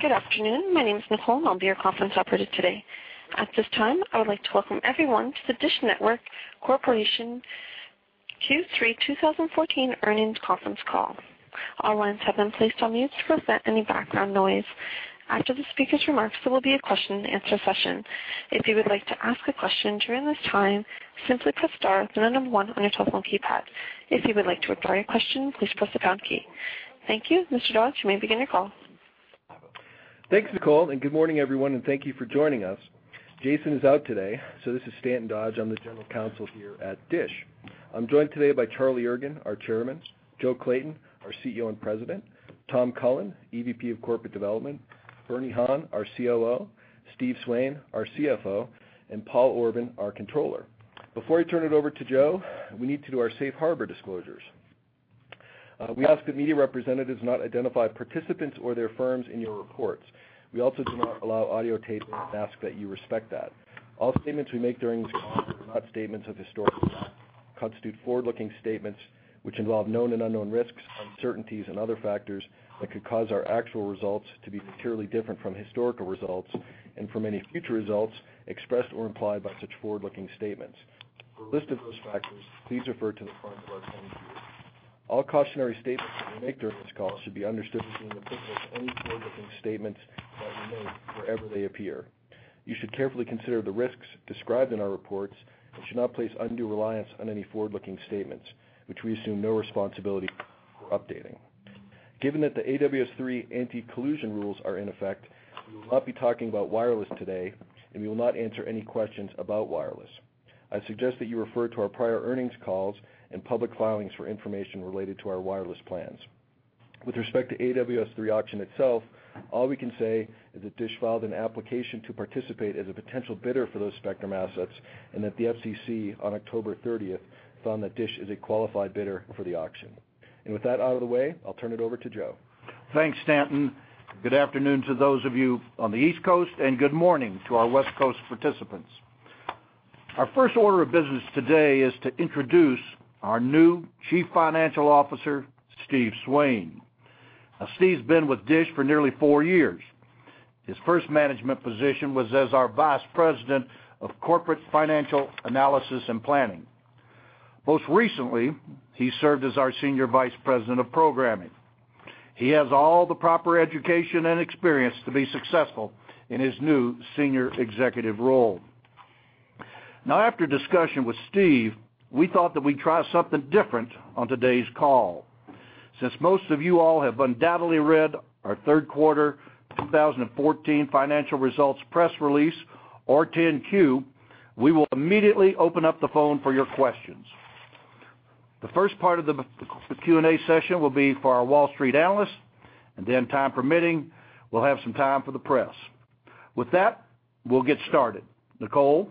Good afternoon. My name is Nicole, and I'll be your conference operator today. At this time, I would like to welcome everyone to the DISH Network Corporation Q3 2014 earnings conference call. All lines have been placed on mute to prevent any background noise. After the speaker's remarks, there will be a question-and-answer session. If you would like to ask a question during this time, simply press star, the number 1 on your telephone keypad. If you would like to withdraw your question, please press the pound key. Thank you. Mr. Dodge, you may begin your call. Thanks, Nicole, good morning, everyone, and thank you for joining us. Jason is out today, so this is Stanton Dodge, I'm the General Counsel here at DISH. I'm joined today by Charlie Ergen, our Chairman; Joe Clayton, our CEO and President; Tom Cullen, our EVP of Corporate Development; Bernie Han, our COO; Steve Swain, our CFO; and Paul Orban, our Controller. Before I turn it over to Joe, we need to do our safe harbor disclosures. We ask that media representatives not identify participants or their firms in your reports. We also do not allow audio tapes and ask that you respect that. All statements we make during this call are not statements of historical fact, constitute forward-looking statements which involve known and unknown risks, uncertainties, and other factors that could cause our actual results to be materially different from historical results and from any future results expressed or implied by such forward-looking statements. For a list of those factors, please refer to the front of our 10-Q. All cautionary statements that we make during this call should be understood as being applicable to any forward-looking statements that we make wherever they appear. You should carefully consider the risks described in our reports and should not place undue reliance on any forward-looking statements, which we assume no responsibility for updating. Given that the AWS-3 anti-collusion rules are in effect, we will not be talking about wireless today, and we will not answer any questions about wireless. I suggest that you refer to our prior earnings calls and public filings for information related to our wireless plans. With respect to AWS-3 auction itself, all we can say is that DISH filed an application to participate as a potential bidder for those spectrum assets and that the FCC, on October 30th, found that DISH is a qualified bidder for the auction. With that out of the way, I'll turn it over to Joe. Thanks, Stanton. Good afternoon to those of you on the East Coast, and good morning to our West Coast participants. Our first order of business today is to introduce our new Chief Financial Officer, Steven E. Swain. Steven's been with DISH for nearly four years. His first management position was as our Vice President of Corporate Financial Analysis and Planning. Most recently, he served as our Senior Vice President of Programming. He has all the proper education and experience to be successful in his new senior executive role. After discussion with Steven, we thought that we'd try something different on today's call. Since most of you all have undoubtedly read our third quarter 2014 financial results press release or 10-Q, we will immediately open up the phone for your questions. The first part of the Q&A session will be for our Wall Street analysts, and then time permitting, we'll have some time for the press. With that, we'll get started. Nicole?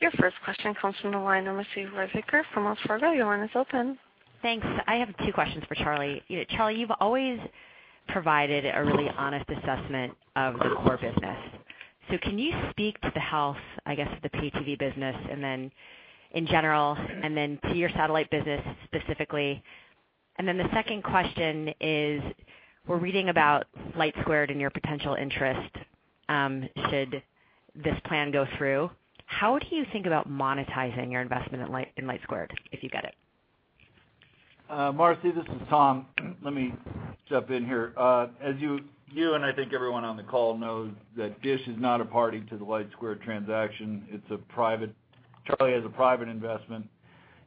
Your first question comes from the line of Marci Ryvicker from Wells Fargo. Your line is open. Thanks. I have two questions for Charlie. Charlie, you've always provided a really honest assessment of the core business. Can you speak to the health, the pay TV business, and then in general, and then to your satellite business specifically? The second question is, we're reading about LightSquared and your potential interest, should this plan go through. How do you think about monetizing your investment in LightSquared, if you get it? Marci, this is Tom. Let me jump in here. As you and I think everyone on the call knows that DISH is not a party to the LightSquared transaction. Charlie has a private investment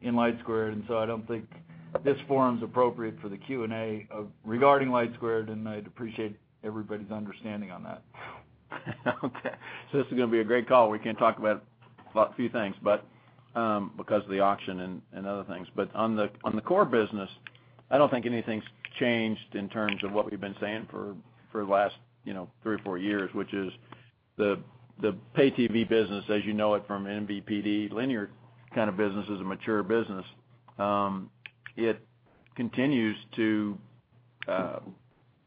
in LightSquared, I don't think this forum is appropriate for the Q&A regarding LightSquared, and I'd appreciate everybody's understanding on that. Okay. This is gonna be a great call. We can talk about a few things, but because of the auction and other things. On the core business, I don't think anything's changed in terms of what we've been saying for the last, you know, three or four years, which is the pay TV business as you know it from MVPD linear kind of business is a mature business. It continues to,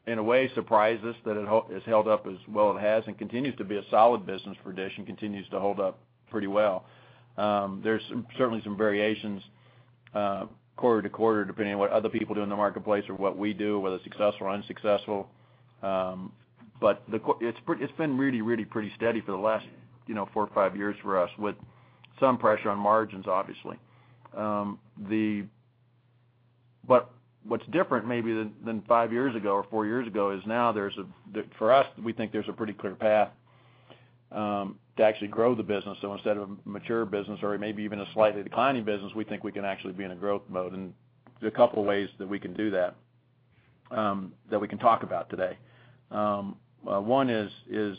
in a way, surprise us that it's held up as well it has and continues to be a solid business for DISH and continues to hold up pretty well. There's certainly some variations, quarter to quarter, depending on what other people do in the marketplace or what we do, whether it's successful or unsuccessful. It's been really, really pretty steady for the last, you know, 4 or 5 years for us with some pressure on margins, obviously. What's different maybe than five years ago or four years ago is now there's for us, we think there's a pretty clear path to actually grow the business. Instead of a mature business or maybe even a slightly declining business, we think we can actually be in a growth mode. There are a couple of ways that we can do that we can talk about today. One is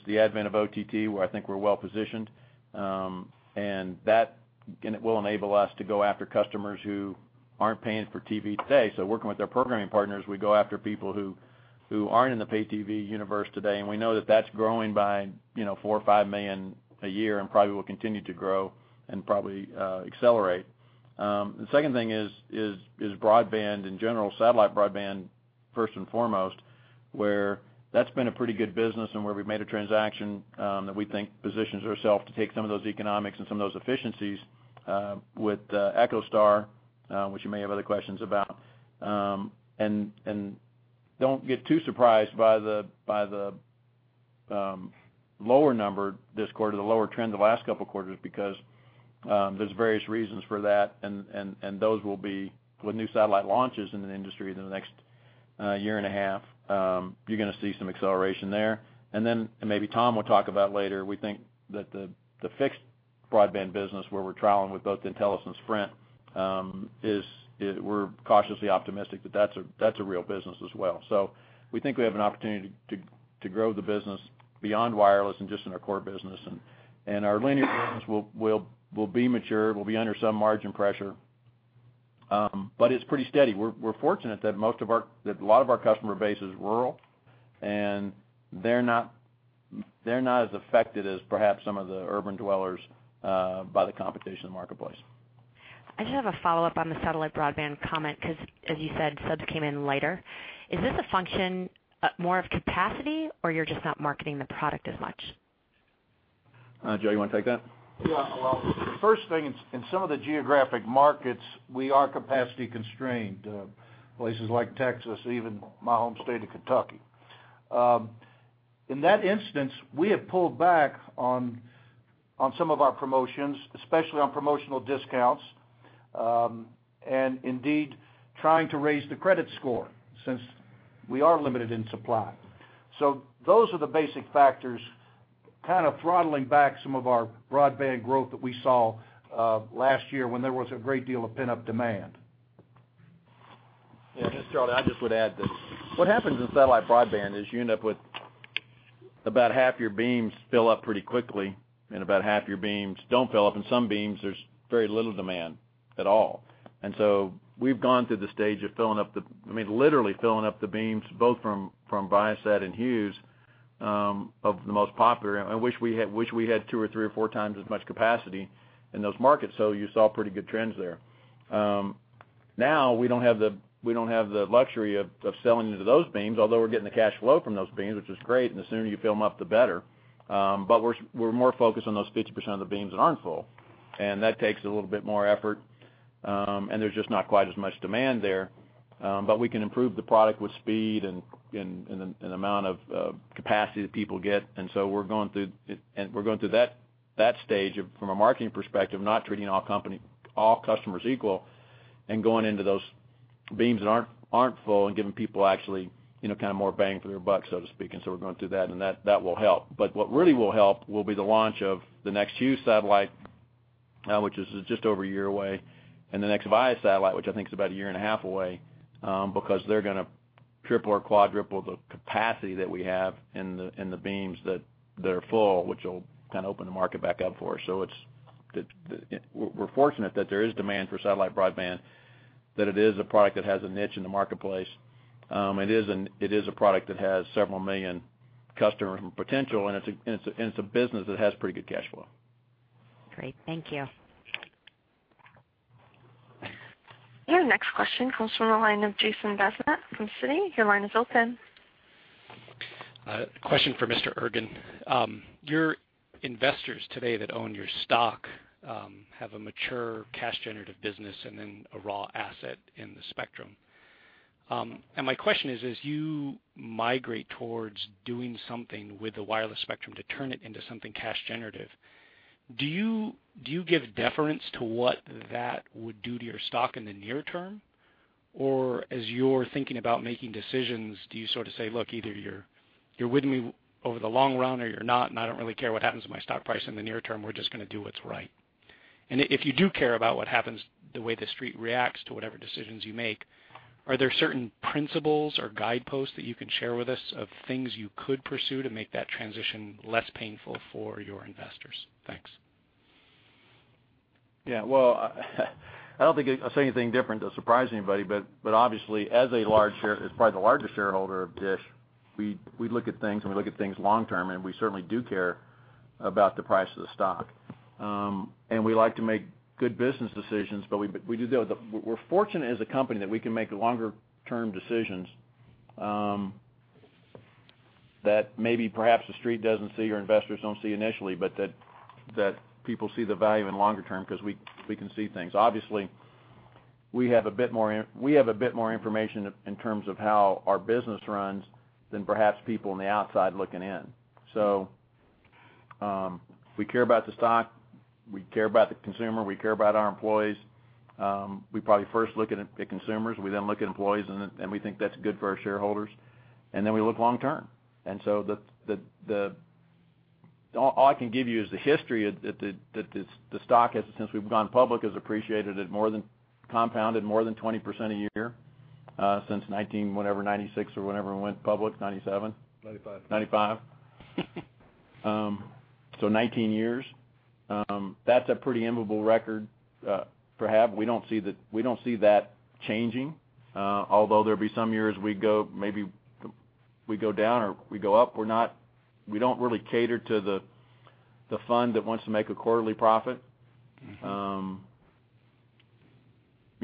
the advent of OTT, where I think we're well-positioned, and that, again, it will enable us to go after customers who aren't paying for TV today. Working with our programming partners, we go after people who aren't in the pay TV universe today, and we know that that's growing by, you know, 4 or 5 million a year and probably will continue to grow and probably accelerate. The second thing is broadband in general, satellite broadband, first and foremost, where that's been a pretty good business and where we've made a transaction that we think positions ourself to take some of those economics and some of those efficiencies with EchoStar, which you may have other questions about. Don't get too surprised by the, by the lower number this quarter, the lower trend the last couple quarters because there's various reasons for that. Those will be with new satellite launches in the industry in the next year and a half, you're gonna see some acceleration there. Maybe Tom will talk about later, we think that the fixed broadband business where we're trialing with both nTelos and Sprint is we're cautiously optimistic that that's a real business as well. We think we have an opportunity to grow the business beyond wireless and just in our core business. Our linear business will be mature, will be under some margin pressure, but it's pretty steady. We're fortunate that a lot of our customer base is rural, and they're not as affected as perhaps some of the urban dwellers by the competition in the marketplace. I just have a follow-up on the satellite broadband comment, 'cause as you said, subs came in lighter. Is this a function, more of capacity, or you're just not marketing the product as much? Joe, you wanna take that? Yeah. Well, first thing, in some of the geographic markets, we are capacity constrained, places like Texas, even my home state of Kentucky. In that instance, we have pulled back on some of our promotions, especially on promotional discounts, and indeed trying to raise the credit score since we are limited in supply. Those are the basic factors kind of throttling back some of our broadband growth that we saw last year when there was a great deal of pent-up demand. Marci Ryvicker, I just would add that what happens with satellite broadband is you end up with about half your beams fill up pretty quickly, and about half your beams don't fill up. In some beams there's very little demand at all. We've gone through the stage of filling up the, I mean, literally filling up the beams, both from Viasat and Hughes, of the most popular. I wish we had 2 or 3 or 4 times as much capacity in those markets, so you saw pretty good trends there. Now we don't have the luxury of selling into those beams, although we're getting the cash flow from those beams, which is great, and the sooner you fill them up, the better. We're more focused on those 50% of the beams that aren't full, and that takes a little bit more effort, and there's just not quite as much demand there. We can improve the product with speed and amount of capacity that people get. We're going through that stage of, from a marketing perspective, not treating all customers equal and going into those beams that aren't full and giving people actually, you know, kind of more bang for their buck, so to speak. We're going through that, and that will help. What really will help will be the launch of the next Hughes satellite, which is just over a year away, and the next Viasat satellite, which I think is about a year and a half away, because they're gonna triple or quadruple the capacity that we have in the beams that are full, which will kind of open the market back up for us. It's fortunate that there is demand for satellite broadband, that it is a product that has a niche in the marketplace. It is a product that has several million customers potential, and it's a business that has pretty good cash flow. Great. Thank you. Your next question comes from the line of Jason Bazinet from Citi. Your line is open. Question for Mr. Ergen. Your investors today that own your stock have a mature cash generative business and then a raw asset in the spectrum. My question is, as you migrate towards doing something with the wireless spectrum to turn it into something cash generative, do you give deference to what that would do to your stock in the near term? Or as you're thinking about making decisions, do you say, "Look, either you're with me over the long run or you're not, and I don't really care what happens to my stock price in the near term. We're just gonna do what's right." If you do care about what happens, the way the Street reacts to whatever decisions you make, are there certain principles or guideposts that you can share with us of things you could pursue to make that transition less painful for your investors? Thanks. Yeah. Well, I don't think I'll say anything different to surprise anybody, but obviously, as probably the largest shareholder of DISH, we look at things, and we look at things long term, and we certainly do care about the price of the stock. We like to make good business decisions, but we're fortunate as a company that we can make longer term decisions that maybe perhaps the Street doesn't see or investors don't see initially, but that people see the value in longer term 'cause we can see things. Obviously, we have a bit more information in terms of how our business runs than perhaps people on the outside looking in. We care about the stock, we care about the consumer, we care about our employees. We probably first look at it, at consumers, we then look at employees, and then we think that's good for our shareholders, and then we look long term. All I can give you is the history that the stock has, since we've gone public, has appreciated at more than compounded more than 20% a year since nineteen whenever, 1996 or whenever we went public, 1997. '95. 1995. 19 years. That's a pretty immovable record, perhaps. We don't see that changing, although there'll be some years we go, maybe we go down or we go up. We don't really cater to the fund that wants to make a quarterly profit. You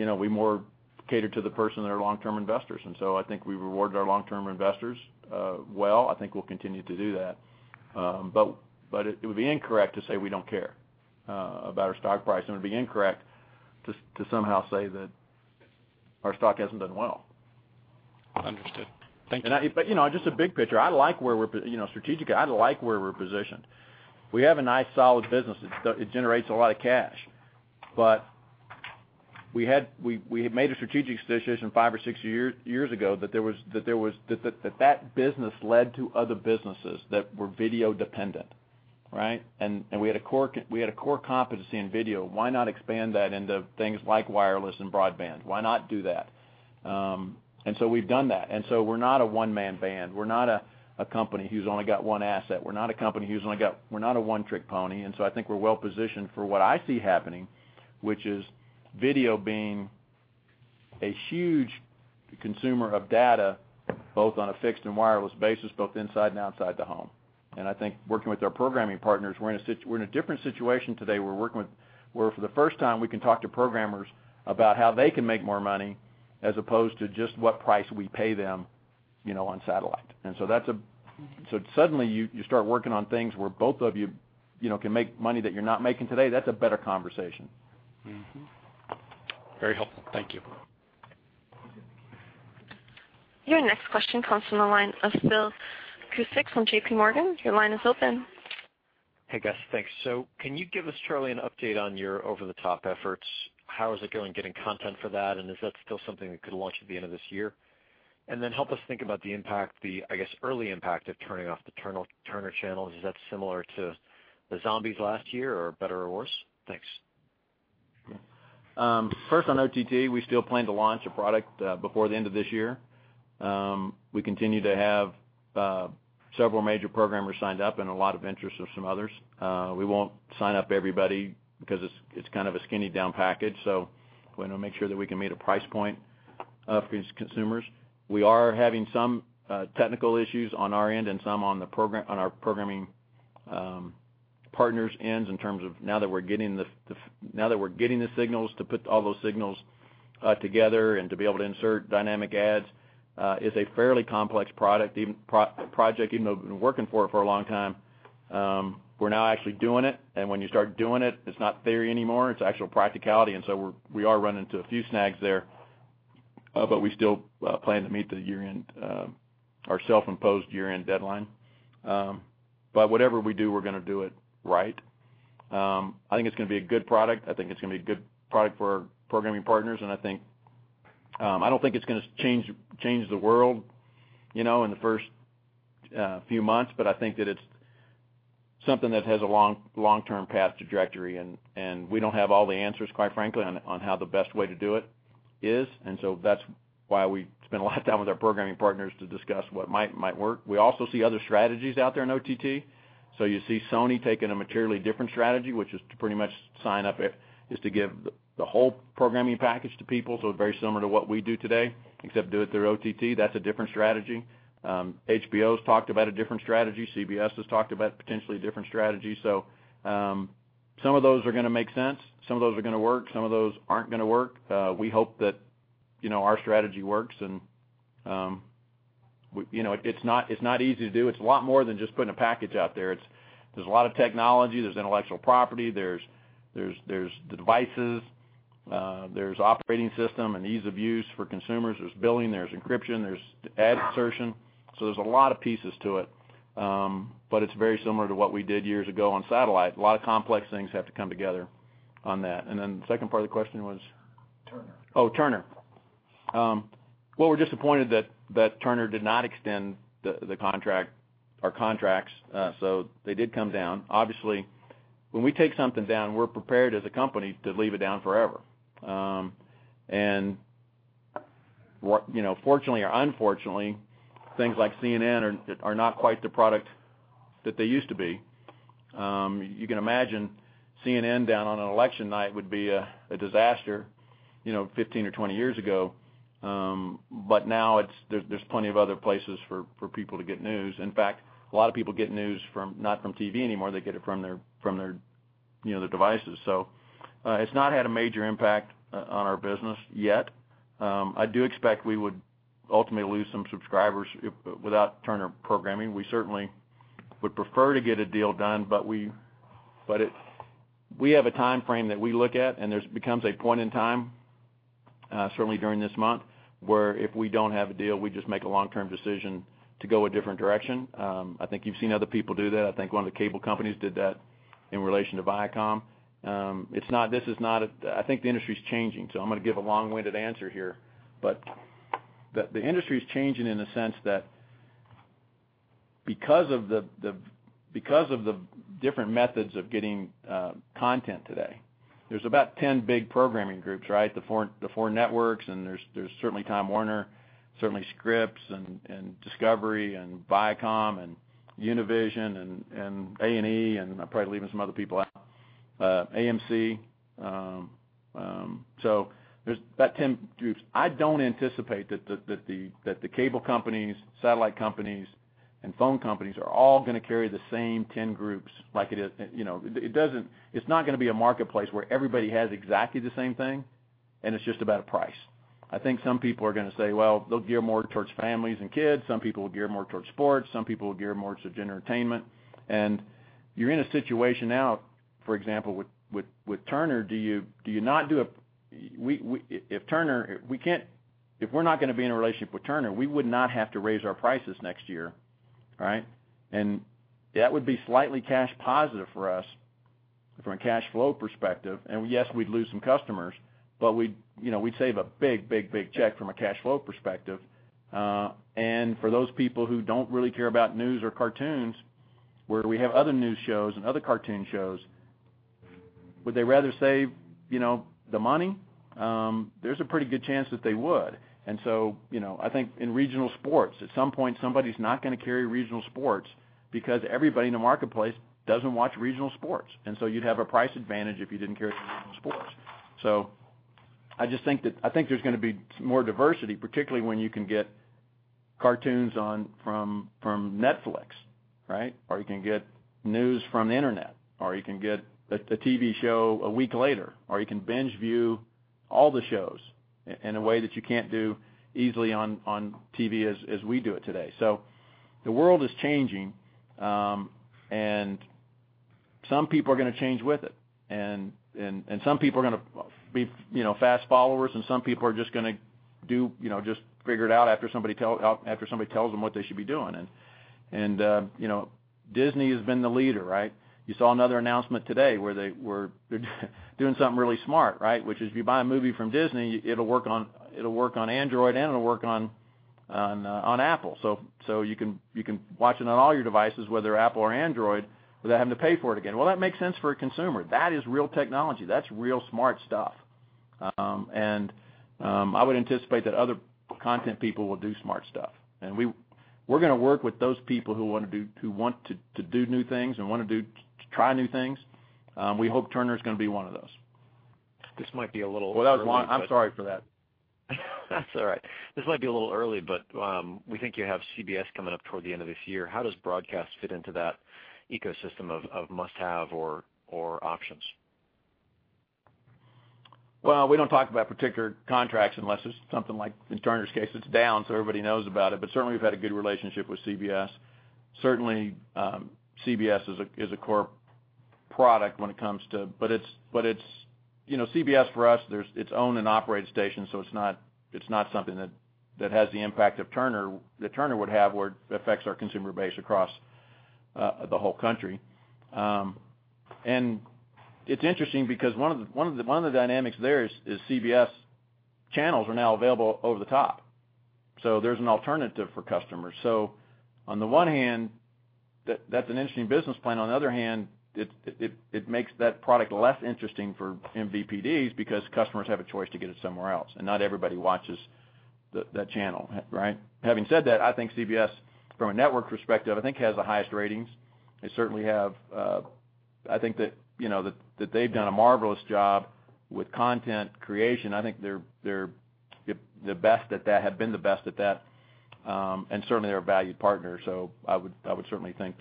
know, we more cater to the person that are long-term investors. I think we reward our long-term investors well. I think we'll continue to do that. But it would be incorrect to say we don't care about our stock price. It would be incorrect to somehow say that our stock hasn't done well. Understood. Thank you. You know, just the big picture, I like where we're, you know, strategically, I like where we're positioned. We have a nice, solid business. It generates a lot of cash. We had made a strategic decision five or six years ago that business led to other businesses that were video dependent, right? We had a core competency in video. Why not expand that into things like wireless and broadband? Why not do that? We've done that. We're not a one-man band. We're not a company who's only got one asset. We're not a one-trick pony. I think we're well-positioned for what I see happening, which is video being a huge consumer of data, both on a fixed and wireless basis, both inside and outside the home. I think working with our programming partners, we're in a different situation today. We're working with, for the first time, we can talk to programmers about how they can make more money as opposed to just what price we pay them, you know, on satellite. Suddenly you start working on things where both of you know, can make money that you're not making today. That's a better conversation. Mm-hmm. Very helpful. Thank you. Your next question comes from the line of Phil Cusick from JPMorgan. Your line is open. Hey, guys. Thanks. Can you give us, Charlie, an update on your over-the-top efforts? How is it going getting content for that, and is that still something that could launch at the end of this year? Help us think about the impact, the, I guess, early impact of turning off the Turner channels. Is that similar to the Zombies last year or better or worse? Thanks. First on OTT, we still plan to launch a product before the end of this year. We continue to have several major programmers signed up and a lot of interest of some others. We won't sign up everybody because it's kind of a skinny down package. We're gonna make sure that we can meet a price point for these consumers. We are having some technical issues on our end and some on the programming partners' ends in terms of now that we're getting the signals to put all those signals together and to be able to insert dynamic ads is a fairly complex product even project, even though we've been working for it for a long time. We're now actually doing it. When you start doing it's not theory anymore, it's actual practicality. We are running into a few snags there. We still plan to meet the year-end, our self-imposed year-end deadline. Whatever we do, we're gonna do it right. I think it's gonna be a good product. I think it's gonna be a good product for our programming partners. I don't think it's gonna change the world, you know, in the first few months, but I think that it's something that has a long-term path to trajectory, and we don't have all the answers, quite frankly, on how the best way to do it is. So that's why we spend a lot of time with our programming partners to discuss what might work. We also see other strategies out there in OTT. So you see Sony taking a materially different strategy, which is to pretty much sign up is to give the whole programming package to people, so very similar to what we do today, except do it through OTT. That's a different strategy. HBO's talked about a different strategy. CBS has talked about potentially a different strategy. Some of those are gonna make sense. Some of those are gonna work. Some of those aren't gonna work. We hope that, you know, our strategy works and, we, you know, it's not easy to do. It's a lot more than just putting a package out there. There's a lot of technology, there's intellectual property, there's the devices, there's operating system and ease of use for consumers, there's billing, there's encryption, there's ad insertion. There's a lot of pieces to it, but it's very similar to what we did years ago on satellite. A lot of complex things have to come together on that. The second part of the question was? Turner. Oh, Turner. Well, we're disappointed that Turner did not extend the contract, our contracts. They did come down. Obviously, when we take something down, we're prepared as a company to leave it down forever. What, you know, fortunately or unfortunately, things like CNN are not quite the product that they used to be. You can imagine CNN down on an election night would be a disaster, you know, 15 or 20 years ago. Now there's plenty of other places for people to get news. In fact, a lot of people get news not from TV anymore, they get it from their, you know, their devices. It's not had a major impact on our business yet. I do expect we would ultimately lose some subscribers without Turner programming. We certainly would prefer to get a deal done, We have a timeframe that we look at, and there's becomes a point in time, certainly during this month, where if we don't have a deal, we just make a long-term decision to go a different direction. I think you've seen other people do that. I think one of the cable companies did that in relation to Viacom. I think the industry's changing, so I'm gonna give a long-winded answer here. The industry's changing in the sense that because of the different methods of getting content today, there's about 10 big programming groups, right? The four networks, and there's certainly Time Warner, certainly Scripps and Discovery and Viacom and Univision and A&E, and I'm probably leaving some other people out. AMC. So there's about 10 groups. I don't anticipate that the cable companies, satellite companies and phone companies are all gonna carry the same 10 groups like it is. You know, it's not gonna be a marketplace where everybody has exactly the same thing, and it's just about price. I think some people are gonna say, well, they'll gear more towards families and kids, some people will gear more towards sports, some people will gear more towards entertainment. You're in a situation now, for example, with Turner, if we're not gonna be in a relationship with Turner, we would not have to raise our prices next year, right? That would be slightly cash positive for us from a cash flow perspective. Yes, we'd lose some customers, but we'd, you know, we'd save a big check from a cash flow perspective. For those people who don't really care about news or cartoons, where we have other news shows and other cartoon shows, would they rather save, you know, the money? There's a pretty good chance that they would. You know, I think in regional sports, at some point, somebody's not gonna carry regional sports because everybody in the marketplace doesn't watch regional sports. You'd have a price advantage if you didn't carry regional sports. I think there's going to be more diversity, particularly when you can get cartoons on, from Netflix, right? You can get news from the Internet, or you can get a TV show a week later, or you can binge-view all the shows in a way that you can't do easily on TV as we do it today. The world is changing, and some people are going to change with it. And some people are going to be, you know, fast followers and some people are just going to do, you know, just figure it out after somebody tells them what they should be doing. And, you know, Disney has been the leader, right? You saw another announcement today where they were doing something really smart, right? Which is if you buy a movie from Disney, it'll work on Android and it'll work on Apple. You can watch it on all your devices, whether Apple or Android, without having to pay for it again. Well, that makes sense for a consumer. That is real technology. That's real smart stuff. I would anticipate that other content people will do smart stuff. We're gonna work with those people who want to do new things and wanna try new things. We hope Turner's gonna be one of those. This might be a little early. Well, that was long. I'm sorry for that. That's all right. This might be a little early, we think you have CBS coming up toward the end of this year. How does broadcast fit into that ecosystem of must-have or options? Well, we don't talk about particular contracts unless it's something like in Turner's case, it's down, so everybody knows about it. Certainly we've had a good relationship with CBS. Certainly, CBS is a core product when it comes to, CBS for us, it's its own and operated stations, so it's not something that has the impact of Turner, that Turner would have where it affects our consumer base across the whole country. And it's interesting because one of the dynamics there is CBS channels are now available over-the-top. There's an alternative for customers. On the one hand, that's an interesting business plan. On the other hand, it makes that product less interesting for MVPDs because customers have a choice to get it somewhere else, and not everybody watches that channel, right? Having said that, I think CBS, from a network perspective, I think has the highest ratings. They certainly have, I think that, you know, that they've done a marvelous job with content creation. I think they're the best at that, have been the best at that. And certainly they're a valued partner. I would certainly think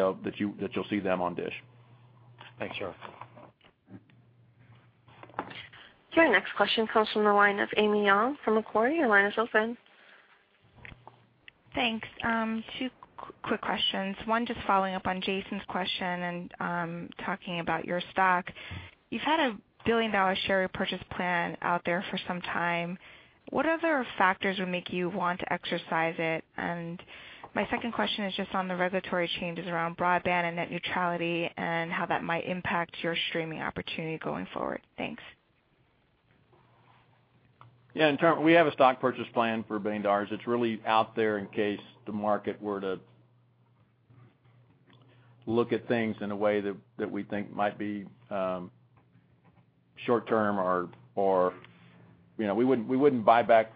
that you'll see them on DISH. Thanks, Charlie. Sure. Your next question comes from the line of Amy Yong from Macquarie. Your line is open. Thanks. Two quick questions. One, just following up on Jason's question and talking about your stock. You've had a billion-dollar share repurchase plan out there for some time. What other factors would make you want to exercise it? My second question is just on the regulatory changes around broadband and net neutrality and how that might impact your streaming opportunity going forward. Thanks. Yeah. We have a stock purchase plan for $1 billion. It's really out there in case the market were to look at things in a way that we think might be short-term or, you know, we wouldn't buy back.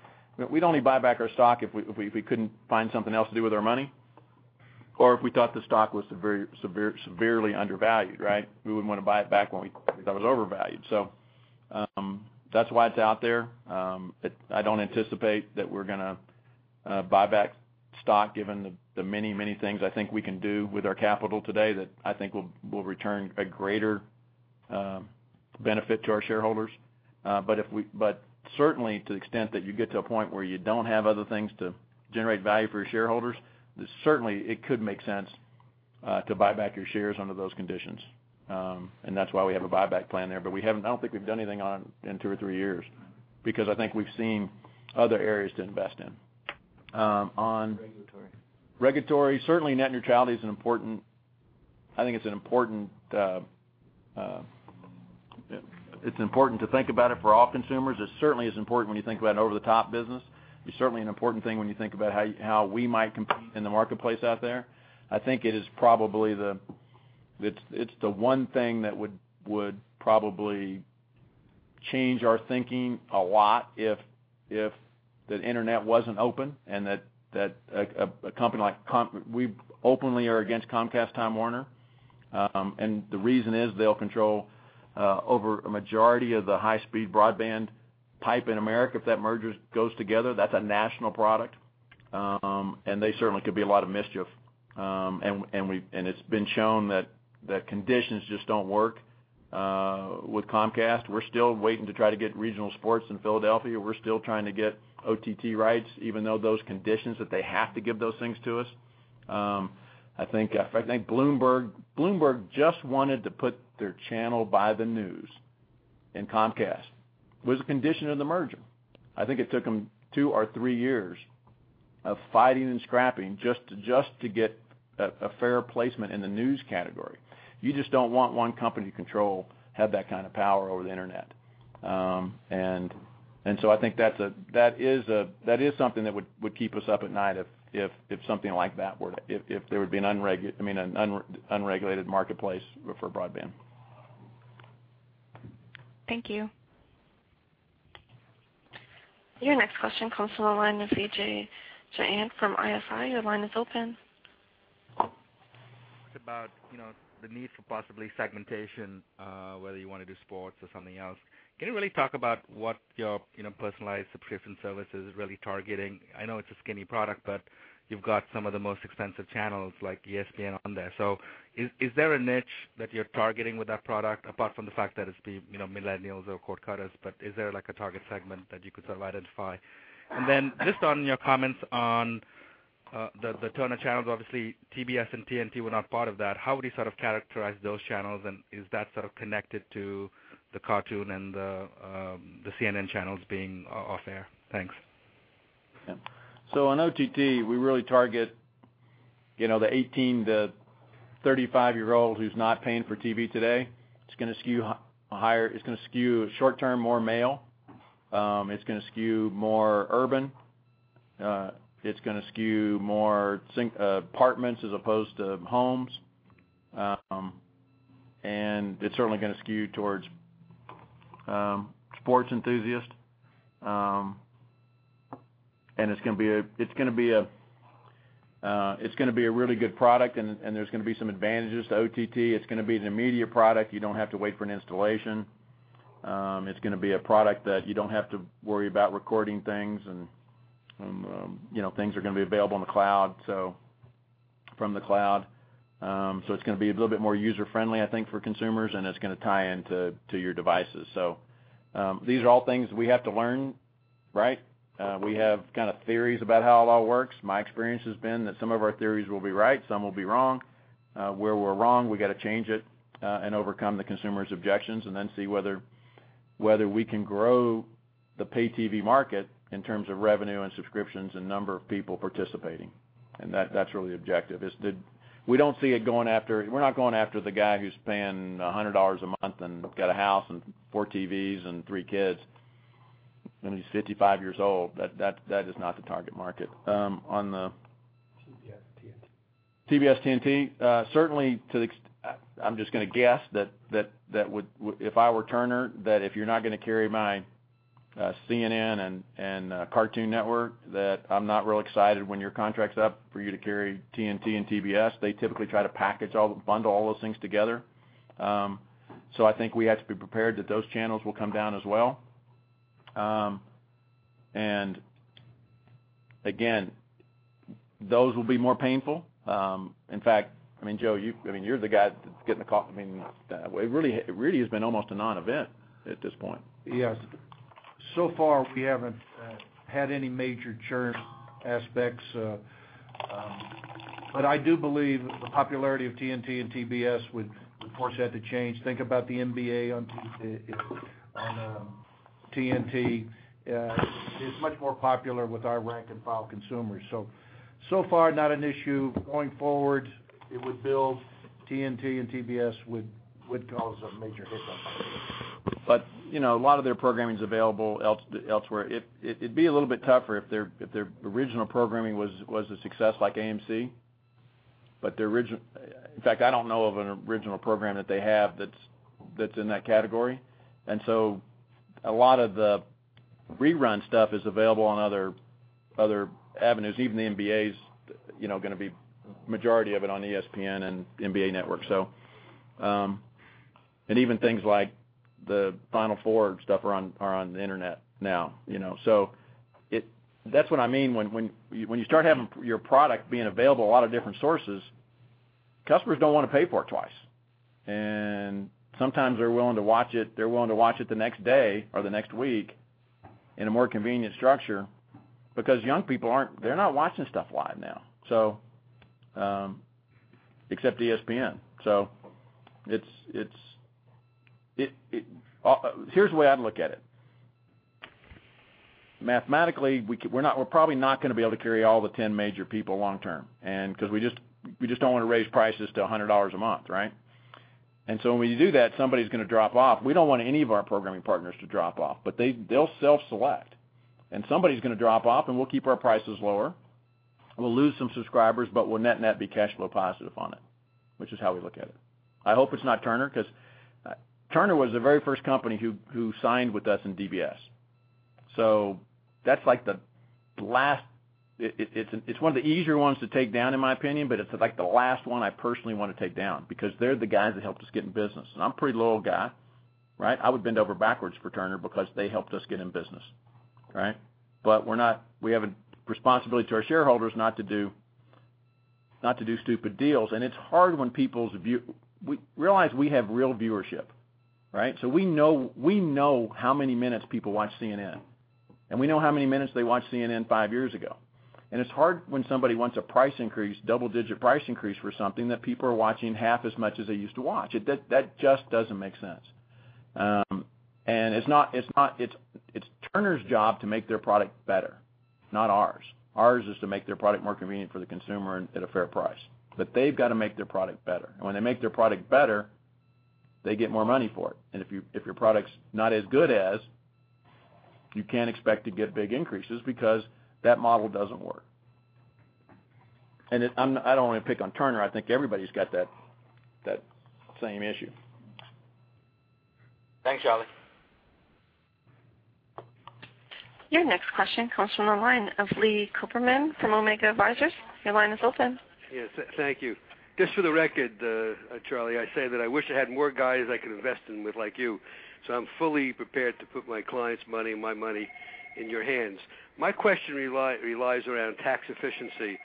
We'd only buy back our stock if we couldn't find something else to do with our money or if we thought the stock was severely undervalued, right? We wouldn't want to buy it back when we thought it was overvalued. That's why it's out there. I don't anticipate that we're going to buy back stock given the many things I think we can do with our capital today that I think will return a greater benefit to our shareholders. Certainly to the extent that you get to a point where you don't have other things to generate value for your shareholders, certainly it could make sense to buy back your shares under those conditions. That's why we have a buyback plan there. I don't think we've done anything on it in two or three years because I think we've seen other areas to invest in. Regulatory. Regulatory. Certainly net neutrality is important. I think it's important to think about it for all consumers. It certainly is important when you think about an over-the-top business. It's certainly an important thing when you think about how we might compete in the marketplace out there. I think it is probably the one thing that would probably change our thinking a lot if the internet wasn't open. We openly are against Comcast/Time Warner. The reason is they'll control over a majority of the high-speed broadband pipe in America if that merger goes together. That's a national product. They certainly could be a lot of mischief. It's been shown that conditions just don't work with Comcast. We're still waiting to try to get regional sports in Philadelphia. We're still trying to get OTT rights, even though those conditions that they have to give those things to us. I think Bloomberg just wanted to put their channel by the news in Comcast. It was a condition of the merger. I think it took them two or three years of fighting and scrapping just to get a fair placement in the news category. You just don't want one company to control, have that kind of power over the Internet. I think that is something that would keep us up at night if something like that were to if there would be an unregulated marketplace for broadband. Thank you. Your next question comes from the line of Vijay Jayant from ISI Group. Your line is open. It's about, you know, the need for possibly segmentation, whether you wanna do sports or something else. Can you really talk about what your, you know, personalized subscription service is really targeting? I know it's a skinny product, but you've got some of the most expensive channels like ESPN on there. Is there a niche that you are targeting with that product, apart from the fact that it's the, you know, millennials or cord cutters, but is there like a target segment that you could sort of identify? Just on your comments on the Turner channels, obviously TBS and TNT were not part of that. How would you sort of characterize those channels? And is that sort of connected to the Cartoon and the CNN channels being off air? Thanks. Yeah. On OTT, we really target, you know, the 18-35-year-old who's not paying for TV today. It's gonna skew short-term more male. It's gonna skew more urban. It's gonna skew more apartments as opposed to homes. It's certainly gonna skew towards sports enthusiasts. It's gonna be a really good product and there's gonna be some advantages to OTT. It's gonna be an immediate product. You don't have to wait for an installation. It's gonna be a product that you don't have to worry about recording things and, you know, things are gonna be available in the cloud, so from the cloud. It's gonna be a little bit more user-friendly, I think, for consumers, and it's gonna tie into your devices. These are all things we have to learn, right? We have kind of theories about how it all works. My experience has been that some of our theories will be right, some will be wrong. Where we're wrong, we gotta change it and overcome the consumer's objections and then see whether we can grow the pay TV market in terms of revenue and subscriptions and number of people participating. That's really the objective. We're not going after the guy who's paying $100 a month and got a house and four TVs and three kids, and he's 55 years old. That is not the target market. TBS, TNT. TBS, TNT, certainly if I were Turner, that if you're not gonna carry my CNN and Cartoon Network, that I'm not real excited when your contract's up for you to carry TNT and TBS. They typically try to package all, bundle all those things together. I think we have to be prepared that those channels will come down as well. Again, those will be more painful. In fact, Joe, you're the guy that's getting the call. It really has been almost a non-event at this point. Yes. So far, we haven't had any major churn aspects. I do believe the popularity of TNT and TBS would cause that to change. Think about the NBA on TNT, it's much more popular with our rank and file consumers. So far not an issue. Going forward, it would build TNT and TBS would cause a major hiccup. You know, a lot of their programming's available elsewhere. It'd be a little bit tougher if their original programming was a success like AMC. In fact, I don't know of an original program that they have that's in that category. A lot of the rerun stuff is available on other avenues. Even the NBA's, you know, gonna be majority of it on ESPN and NBA Network. Even things like the Final Four and stuff are on the Internet now, you know. That's what I mean when you start having your product being available a lot of different sources, customers don't wanna pay for it twice. Sometimes they're willing to watch it, they're willing to watch it the next day or the next week in a more convenient structure because young people aren't watching stuff live now, except ESPN. Here's the way I'd look at it. Mathematically, we're probably not gonna be able to carry all the 10 major people long term because we just don't wanna raise prices to $100 a month, right? When you do that, somebody's gonna drop off. We don't want any of our programming partners to drop off, they'll self-select. Somebody's gonna drop off, and we'll keep our prices lower. We'll lose some subscribers, we'll net net be cash flow positive on it, which is how we look at it. I hope it's not Turner 'cause Turner was the very first company who signed with us in DBS. That's like the last, it's one of the easier ones to take down, in my opinion, but it's like the last one I personally wanna take down because they're the guys that helped us get in business. I'm a pretty loyal guy, right? I would bend over backwards for Turner because they helped us get in business, right? We're not, we have a responsibility to our shareholders not to do stupid deals. It's hard when people's view, we realize we have real viewership, right? We know how many minutes people watch CNN, and we know how many minutes they watched CNN five years ago. It's hard when somebody wants a price increase, double-digit price increase for something that people are watching half as much as they used to watch. That just doesn't make sense. It's Turner's job to make their product better, not ours. Ours is to make their product more convenient for the consumer and at a fair price. They've gotta make their product better. When they make their product better, they get more money for it. If your product's not as good as, you can't expect to get big increases because that model doesn't work. I don't wanna pick on Turner. I think everybody's got that same issue. Thanks, Charlie. Your next question comes from the line of Leon Cooperman from Omega Advisors. Your line is open. Yes, thank you. Just for the record, Charlie, I say that I wish I had more guys I could invest in with like you. I'm fully prepared to put my clients' money and my money in your hands. My question relies around tax efficiency.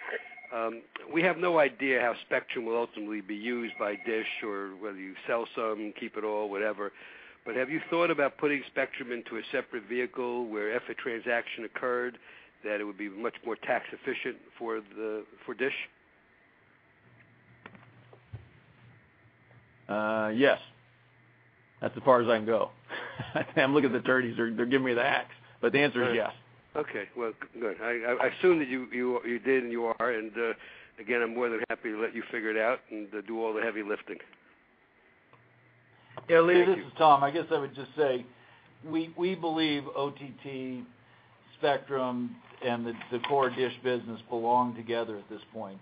We have no idea how Spectrum will ultimately be used by DISH or whether you sell some, keep it all, whatever. Have you thought about putting Spectrum into a separate vehicle where if a transaction occurred, that it would be much more tax efficient for DISH? Yes. That's as far as I can go. I'm looking at the attorneys, they're giving me the axe. The answer is yes. All right. Okay. Well, good. I assumed that you did and you are, again, I'm more than happy to let you figure it out and do all the heavy lifting. Yeah, Lee. This is Tom. I guess I would just say we believe OTT, Spectrum, and the core DISH business belong together at this point.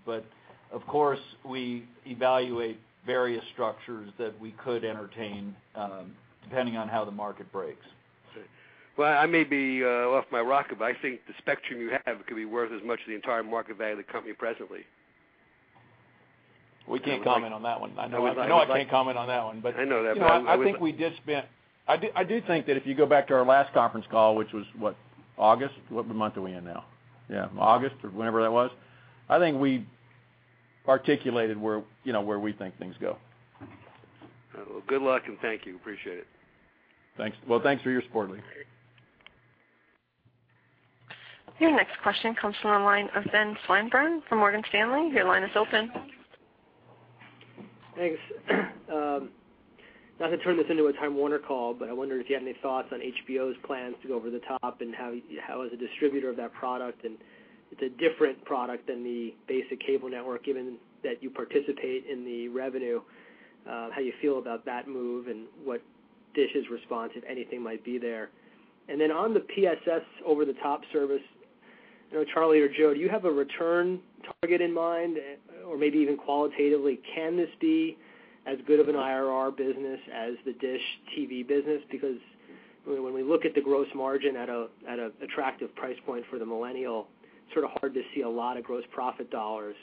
Of course, we evaluate various structures that we could entertain, depending on how the market breaks. Well, I may be off my rocker, but I think the spectrum you have could be worth as much as the entire market value of the company presently. We can't comment on that one. I know I can't comment on that one. I know that but I think- I do think that if you go back to our last conference call, which was, what, August? What month are we in now? Yeah, August or whenever that was. I think we articulated where, you know, where we think things go. Well, good luck, and thank you. Appreciate it. Thanks. Well, thanks for your support, Leon. Your next question comes from the line of Benjamin Swinburne from Morgan Stanley. Your line is open. Thanks. Not to turn this into a Time Warner call, I wonder if you have any thoughts on HBO's plans to go over the top and how as a distributor of that product and it's a different product than the basic cable network, given that you participate in the revenue, how you feel about that move and what DISH's response, if anything, might be there. On the DISH over-the-top service, you know, Charlie or Joe, do you have a return target in mind? Or maybe even qualitatively, can this be as good of an IRR business as the DISH TV business? Because when we look at the gross margin at a attractive price point for the millennial, sort of hard to see a lot of gross profit dollars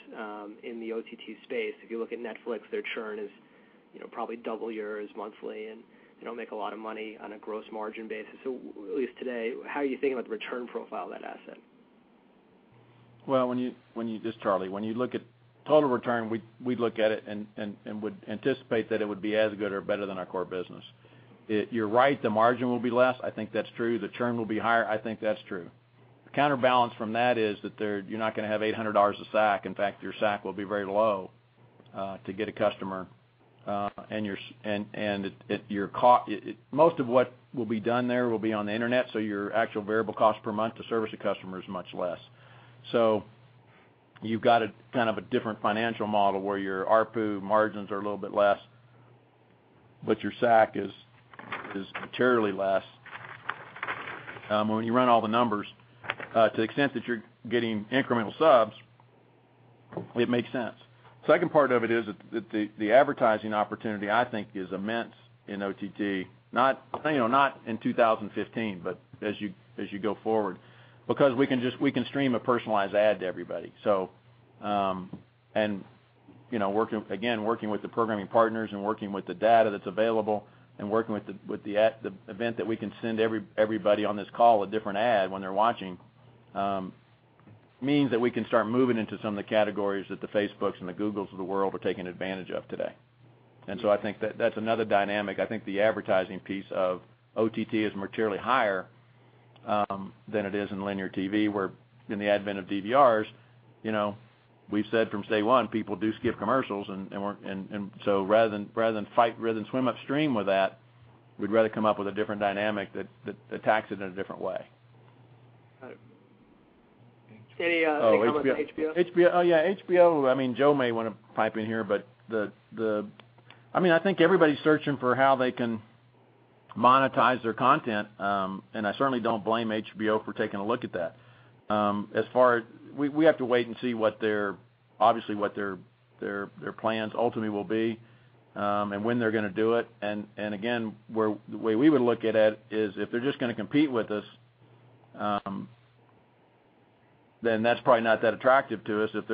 in the OTT space. If you look at Netflix, their churn is, you know, probably double yours monthly, and they don't make a lot of money on a gross margin basis. At least today, how are you thinking about the return profile of that asset? Well, This is Charlie. When you look at total return, we look at it and would anticipate that it would be as good or better than our core business. You're right, the margin will be less. I think that's true. The churn will be higher. I think that's true. The counterbalance from that is that you're not gonna have $800 a SAC. In fact, your SAC will be very low to get a customer, and Most of what will be done there will be on the Internet, so your actual variable cost per month to service a customer is much less. You've got a kind of a different financial model where your ARPU margins are a little bit less, but your SAC is materially less. When you run all the numbers, to the extent that you're getting incremental subs, it makes sense. Second part of it is that the advertising opportunity, I think, is immense in OTT, not, you know, not in 2015, but as you, as you go forward, because we can stream a personalized ad to everybody. You know, working again, working with the programming partners and working with the data that's available and working with the event that we can send everybody on this call a different ad when they're watching, means that we can start moving into some of the categories that the Facebooks and the Googles of the world are taking advantage of today. I think that that's another dynamic. I think the advertising piece of OTT is materially higher than it is in linear TV, where in the advent of DVRs, you know, we've said from day one, people do skip commercials. Rather than fight, rather than swim upstream with that, we'd rather come up with a different dynamic that attacks it in a different way. Any comments on HBO? HBO. Oh, yeah, HBO. I mean, Joe may wanna pipe in here, but I mean, I think everybody's searching for how they can monetize their content, and I certainly don't blame HBO for taking a look at that. As far as we have to wait and see what their, obviously what their plans ultimately will be, and when they're gonna do it. Again, the way we would look at it is if they're just gonna compete with us, then that's probably not that attractive to us if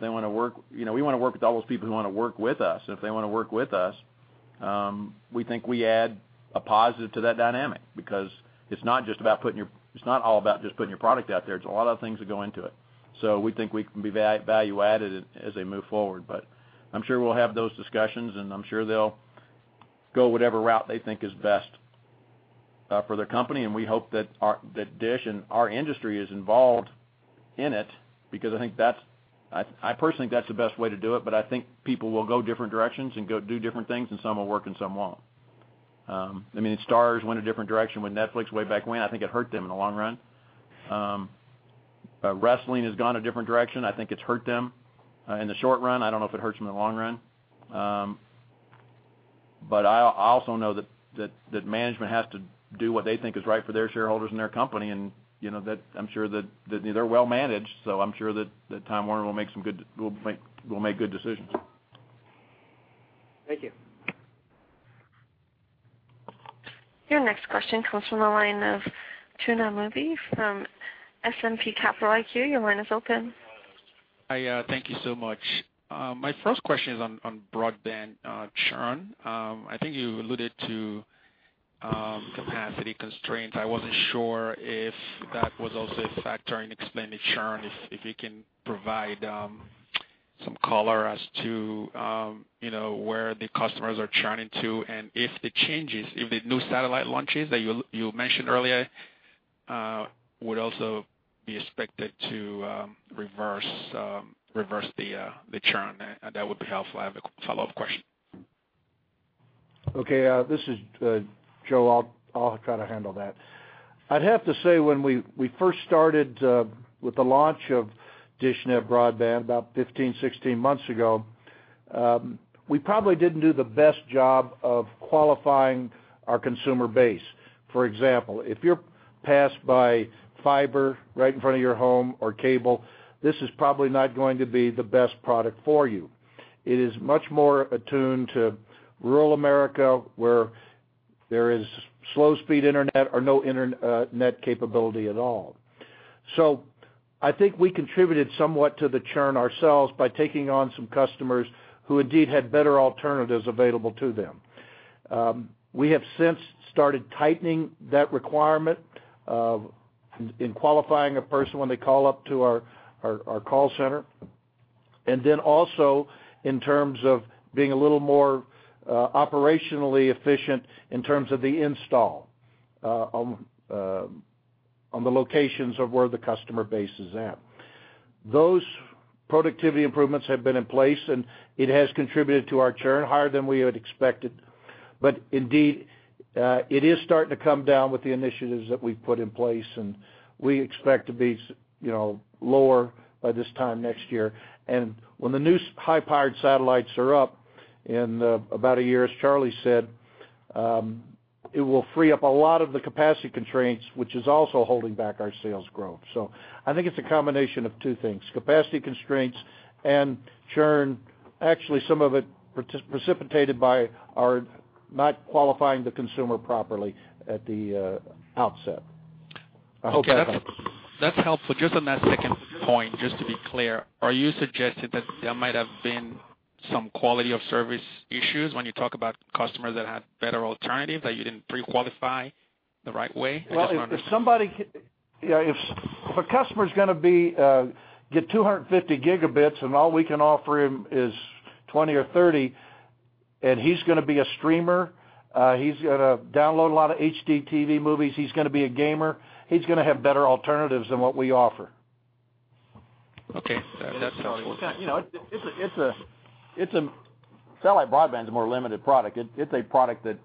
they wanna work. You know, we wanna work with all those people who wanna work with us. If they wanna work with us, we think we add a positive to that dynamic because it's not all about just putting your product out there. There's a lot of things that go into it. We think we can be value added as they move forward. I'm sure we'll have those discussions, and I'm sure they'll go whatever route they think is best for their company, and we hope that DISH and our industry is involved in it because I personally think that's the best way to do it, but I think people will go different directions and go do different things, and some will work and some won't. I mean, Starz went a different direction when Netflix way back when. I think it hurt them in the long run. Wrestling has gone a different direction. I think it's hurt them in the short run. I don't know if it hurts them in the long run. I also know that management has to do what they think is right for their shareholders and their company and, you know, that I'm sure that they're well-managed, so I'm sure that Time Warner will make good decisions. Thank you. Your next question comes from the line of Tuna Amobi from S&P Capital IQ. Your line is open. Hi, thank you so much. My first question is on broadband churn. I think you alluded to capacity constraints. I wasn't sure if that was also a factor in explaining churn, if you can provide some color as to, you know, where the customers are churning to and if the changes, if the new satellite launches that you mentioned earlier, would also be expected to reverse the churn. That would be helpful. I have a follow-up question. Okay, this is Joe. I'll try to handle that. I'd have to say when we first started with the launch of dishNET broadband about 15, 16 months ago, we probably didn't do the best job of qualifying our consumer base. For example, if you're passed by fiber right in front of your home or cable, this is probably not going to be the best product for you. It is much more attuned to rural America, where there is slow speed internet or no internet capability at all. I think we contributed somewhat to the churn ourselves by taking on some customers who indeed had better alternatives available to them. We have since started tightening that requirement in qualifying a person when they call up to our call center, then also in terms of being a little more operationally efficient in terms of the install on the locations of where the customer base is at. Those productivity improvements have been in place, it has contributed to our churn higher than we had expected. Indeed, it is starting to come down with the initiatives that we've put in place, we expect to be you know, lower by this time next year. When the new high-powered satellites are up in about a year, as Charlie said, it will free up a lot of the capacity constraints, which is also holding back our sales growth. I think it's a combination of two things, capacity constraints and churn, actually some of it precipitated by our not qualifying the consumer properly at the outset. I hope that helps. That's helpful. Just on that second point, just to be clear, are you suggesting that there might have been some quality of service issues when you talk about customers that had better alternatives that you didn't pre-qualify the right way? I just wanna make sure. Well, if a customer's gonna get 250 gigabits and all we can offer him is 20 or 30, and he's gonna be a streamer, he's gonna download a lot of HDTV movies, he's gonna be a gamer, he's gonna have better alternatives than what we offer. Okay. That's helpful. You know, satellite broadband's a more limited product. It's a product that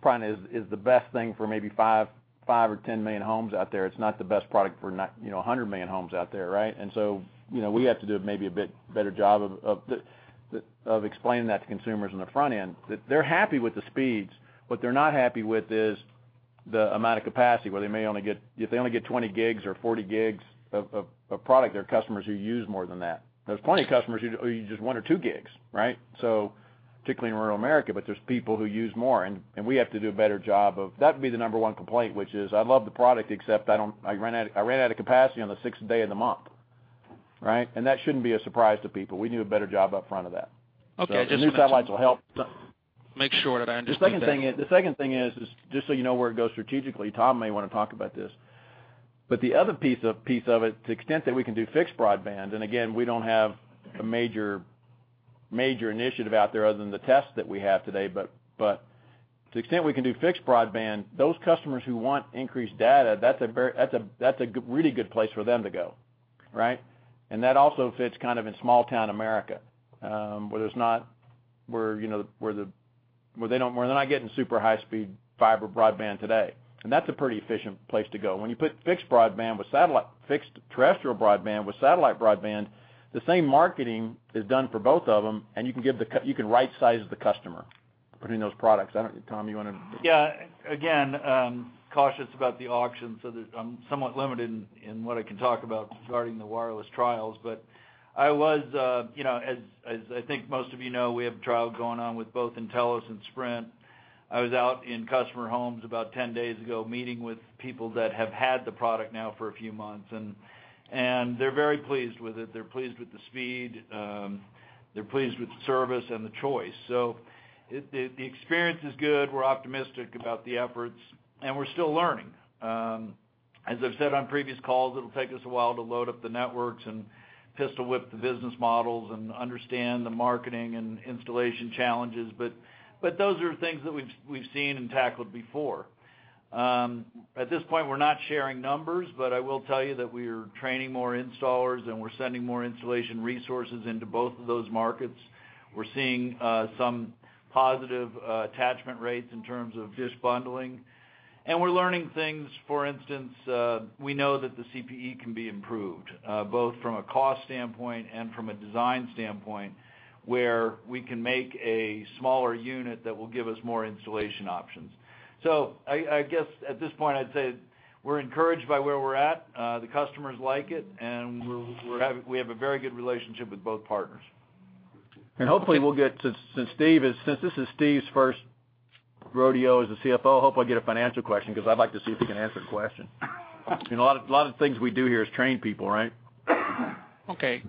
probably is the best thing for maybe 5 or 10 million homes out there. It's not the best product for you know, 100 million homes out there, right? You know, we have to do maybe a bit better job of explaining that to consumers on the front end. They're happy with the speeds, what they're not happy with is the amount of capacity, if they only get 20 gigs or 40 gigs of product, there are customers who use more than that. There's plenty of customers who use just 1 or 2 gigs, right? Particularly in rural America, but there's people who use more, and we have to do a better job of That'd be the number one complaint, which is, "I love the product, except I ran out of capacity on the sixth day of the month." Right? That shouldn't be a surprise to people. We do a better job up front of that. Okay. The new satellites will help. Make sure that I understood that. The second thing is, just so you know where it goes strategically, Tom may wanna talk about this. The other piece of it, to the extent that we can do fixed broadband, and again, we don't have a major initiative out there other than the tests that we have today, but to the extent we can do fixed broadband, those customers who want increased data, that's a very, that's a really good place for them to go, right. That also fits kind of in small town America, where there's not, where, you know, where they don't, where they're not getting super high speed fiber broadband today. That's a pretty efficient place to go. When you put fixed broadband with fixed terrestrial broadband with satellite broadband, the same marketing is done for both of them, and you can rightsize the customer. Bringing those products. I don't know, Tom. Yeah. Again, cautious about the auction, I'm somewhat limited in what I can talk about regarding the wireless trials. I was, you know, as I think most of you know, we have a trial going on with both nTelos and Sprint. I was out in customer homes about 10 days ago, meeting with people that have had the product now for a few months, and they're very pleased with it. They're pleased with the speed. They're pleased with the service and the choice. The experience is good. We're optimistic about the efforts. We're still learning. As I've said on previous calls, it'll take us a while to load up the networks and pistol-whip the business models and understand the marketing and installation challenges, but those are things that we've seen and tackled before. At this point, we're not sharing numbers. I will tell you that we are training more installers, and we're sending more installation resources into both of those markets. We're seeing some positive attachment rates in terms of DISH bundling. We're learning things. For instance, we know that the CPE can be improved, both from a cost standpoint and from a design standpoint, where we can make a smaller unit that will give us more installation options. I guess, at this point, I'd say we're encouraged by where we're at. The customers like it, and we have a very good relationship with both partners. Hopefully, we'll get to, since this is Steve's first rodeo as a CFO, hopefully I'll get a financial question 'cause I'd like to see if he can answer the question. You know, a lot of things we do here is train people, right? Okay.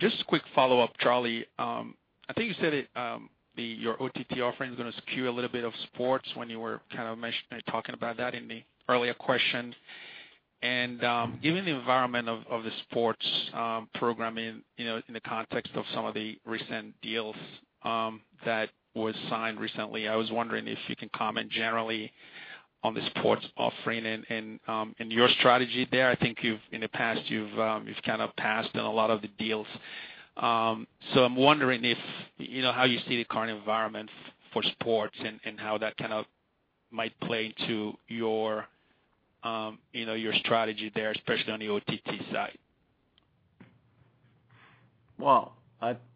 Just a quick follow-up, Charlie. I think you said it, your OTT offering is gonna skew a little bit of sports when you were kind of talking about that in the earlier question. Given the environment of the sports, programming, you know, in the context of some of the recent deals, that was signed recently, I was wondering if you can comment generally on the sports offering and your strategy there. I think you've, in the past, you've kind of passed on a lot of the deals. I'm wondering if, you know, how you see the current environment for sports and how that kind of might play to your, you know, your strategy there, especially on the OTT side.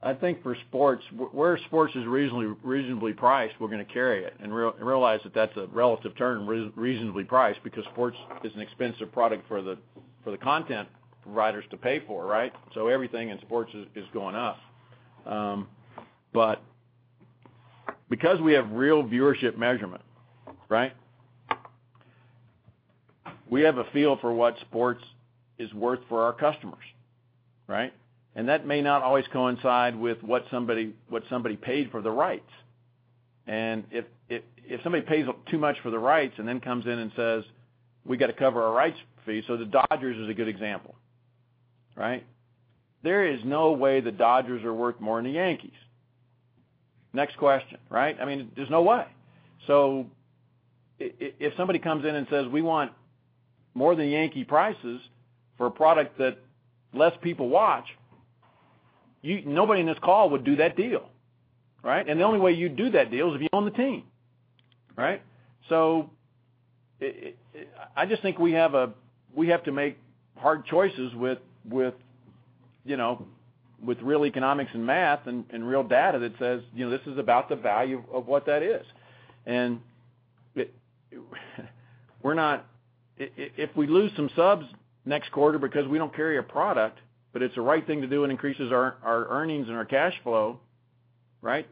I think for sports, where sports is reasonably priced, we're gonna carry it. Realize that that's a relative term, reasonably priced, because sports is an expensive product for the content providers to pay for, right? Everything in sports is going up. Because we have real viewership measurement, right? We have a feel for what sports is worth for our customers, right? That may not always coincide with what somebody paid for the rights. If somebody pays too much for the rights and then comes in and says, "We gotta cover our rights fee." The Dodgers is a good example, right? There is no way the Dodgers are worth more than the Yankees. Next question, right? I mean, there's no way. If somebody comes in and says, "We want more than Yankees prices for a product that less people watch," nobody in this call would do that deal, right? The only way you'd do that deal is if you own the team, right? I just think we have to make hard choices with, you know, with real economics and math and real data that says, you know, this is about the value of what that is. If we lose some subs next quarter because we don't carry a product, but it's the right thing to do and increases our earnings and our cash flow, right?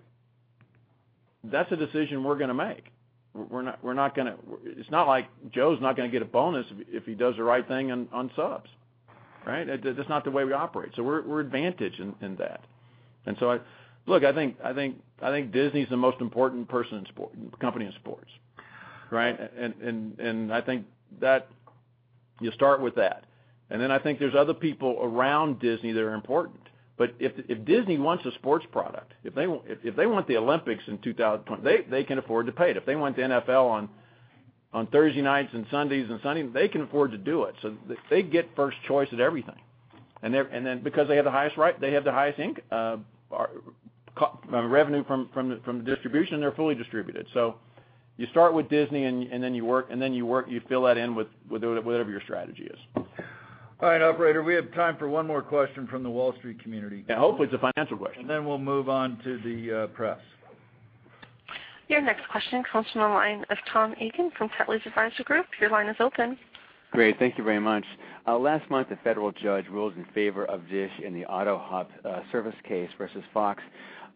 That's a decision we're gonna make. We're not gonna. It's not like Joe's not gonna get a bonus if he does the right thing on subs, right? That's not the way we operate. We're advantaged in that. Look, I think Disney's the most important company in sports, right? I think that you start with that. I think there's other people around Disney that are important. If Disney wants a sports product, if they want the Olympics in 2020, they can afford to pay it. If they want the NFL on Thursday nights and Sundays, they can afford to do it. They get first choice at everything. Because they have the highest right, they have the highest revenue from distribution, they're fully distributed. You start with Disney, and then you work, you fill that in with whatever your strategy is. All right, operator, we have time for one more question from the Wall Street community. Hopefully it's a financial question. Then we'll move on to the press. Your next question comes from the line of Tom Eagan from Telsey Advisory Group. Your line is open. Great. Thank you very much. Last month, a federal judge ruled in favor of DISH in the AutoHop service case versus Fox.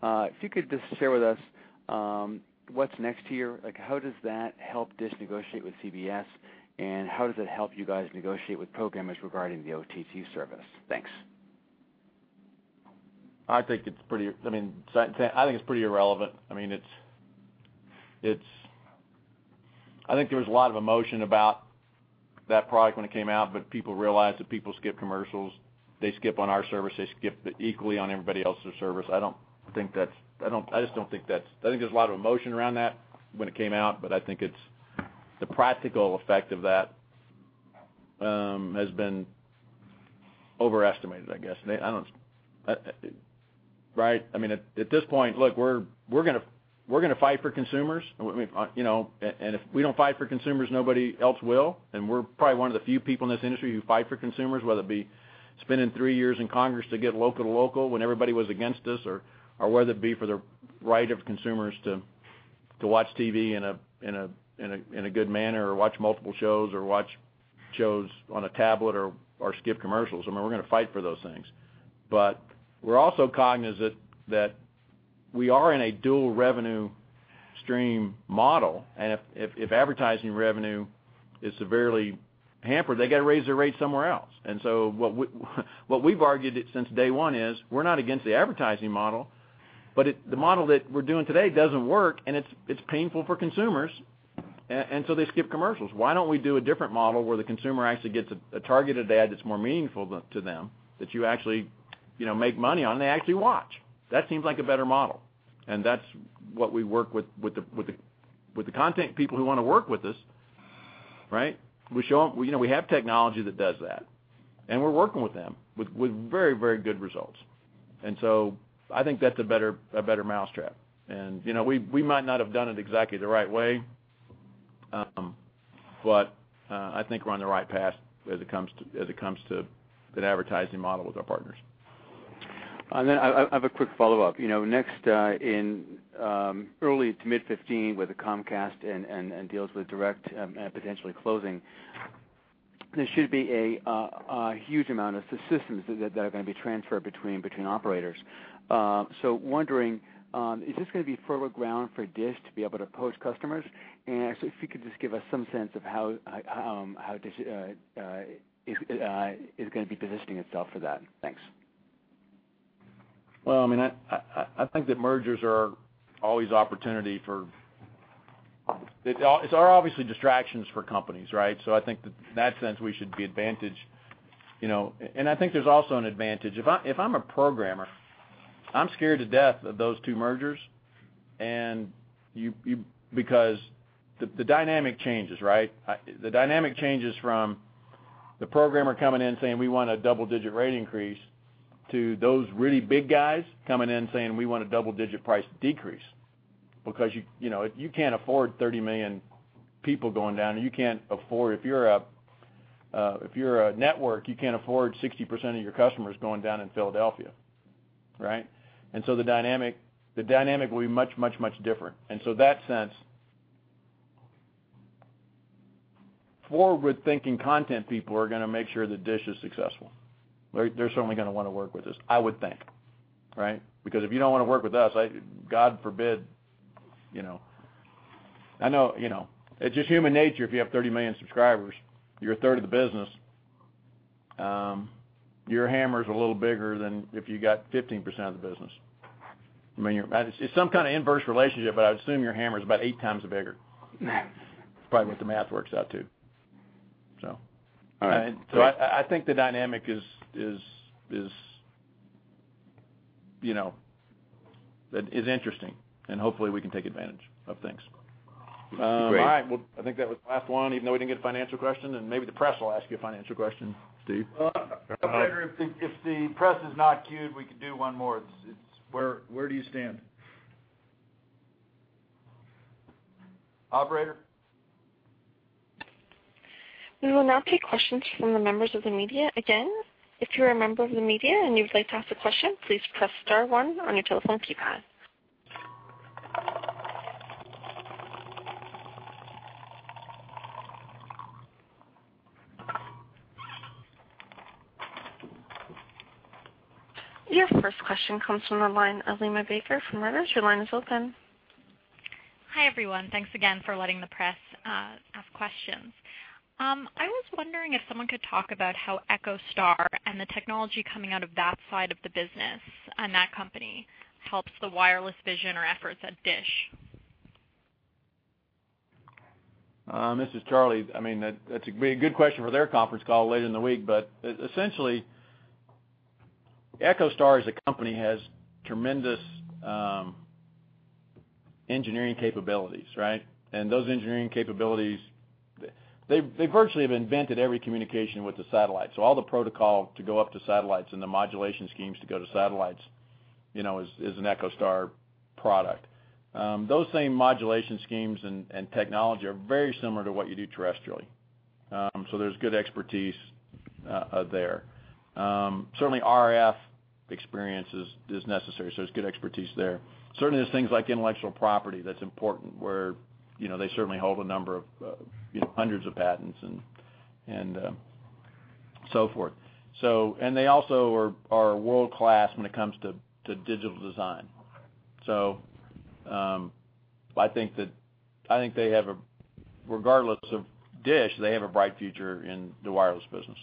If you could just share with us, what's next here. Like, how does that help DISH negotiate with CBS, and how does it help you guys negotiate with programmers regarding the OTT service? Thanks. I mean, I think it's pretty irrelevant. I mean, it's I think there was a lot of emotion about that product when it came out, but people realized that people skip commercials. They skip on our service. They skip equally on everybody else's service. I just don't think that's I think there's a lot of emotion around that when it came out, but I think it's The practical effect of that has been overestimated, I guess. Right? I mean, at this point, look, we're gonna fight for consumers. I mean, you know, if we don't fight for consumers, nobody else will, and we're probably one of the few people in this industry who fight for consumers, whether it be spending three years in Congress to get local to local when everybody was against us or whether it be for the right of consumers to watch TV in a good manner or watch multiple shows or watch shows on a tablet or skip commercials, I mean, we're gonna fight for those things. We're also cognizant that we are in a dual revenue stream model, and if advertising revenue is severely hampered, they gotta raise their rates somewhere else. What we've argued it since day one is we're not against the advertising model, but the model that we're doing today doesn't work and it's painful for consumers and so they skip commercials. Why don't we do a different model where the consumer actually gets a targeted ad that's more meaningful to them, that you actually, you know, make money on and they actually watch? That seems like a better model, and that's what we work with the content people who wanna work with us, right? We show 'em, you know, we have technology that does that, and we're working with them with very good results. I think that's a better mousetrap. You know, we might not have done it exactly the right way, but, I think we're on the right path as it comes to good advertising model with our partners. I have a quick follow-up. You know, next, in early to mid 2015 with the Comcast and deals with DIRECTV potentially closing, there should be a huge amount of systems that are gonna be transferred between operators. Wondering, is this gonna be further ground for DISH to be able to poach customers? Actually, if you could just give us some sense of how DISH is gonna be positioning itself for that. Thanks. Well, I mean, I think that mergers are always opportunity for It's are obviously distractions for companies, right? I think that in that sense we should be advantaged, you know. I think there's also an advantage. If I'm a programmer, I'm scared to death of those two mergers and because the dynamic changes, right? The dynamic changes from the programmer coming in saying, "We want a double-digit rate increase," to those really big guys coming in saying, "We want a double-digit price decrease." You know, you can't afford $30 million people going down, and you can't afford If you're a network, you can't afford 60% of your customers going down in Philadelphia, right? The dynamic will be much, much different. That sense, forward-thinking content people are gonna make sure that DISH is successful. They're certainly gonna wanna work with us, I would think, right? Because if you don't wanna work with us, God forbid, you know. I know, you know, it's just human nature, if you have 30 million subscribers, you're a third of the business, your hammer's a little bigger than if you got 15% of the business. I mean, it's some kind of inverse relationship, but I'd assume your hammer is about 8 times bigger. It's probably what the math works out to, so. All right. I think the dynamic is, you know, is interesting and hopefully we can take advantage of things. Great. All right. Well, I think that was the last one, even though we didn't get a financial question, maybe the press will ask you a financial question, Steve. Well, operator, if the press is not queued, we can do one more. It's where do you stand? Operator? We will now take questions from the members of the media. Again, if you are a member of the media and you would like to ask a question, please press star one on your telephone keypad. Your first question comes from the line of Liana Baker from Reuters. Your line is open. Hi, everyone. Thanks again for letting the press, ask questions. I was wondering if someone could talk about how EchoStar and the technology coming out of that side of the business and that company helps the wireless vision or efforts at DISH. This is Charlie. I mean, that's a very good question for their conference call later in the week. Essentially, EchoStar as a company has tremendous engineering capabilities, right? Those engineering capabilities, they virtually have invented every communication with the satellite. All the protocol to go up to satellites and the modulation schemes to go to satellites, you know, is an EchoStar product. Those same modulation schemes and technology are very similar to what you do terrestrially. There's good expertise there. Certainly RF experience is necessary, so there's good expertise there. Certainly, there's things like intellectual property that's important where, you know, they certainly hold a number of, you know, hundreds of patents and so forth. They also are world-class when it comes to digital design. I think that, I think they have a regardless of DISH, they have a bright future in the wireless business.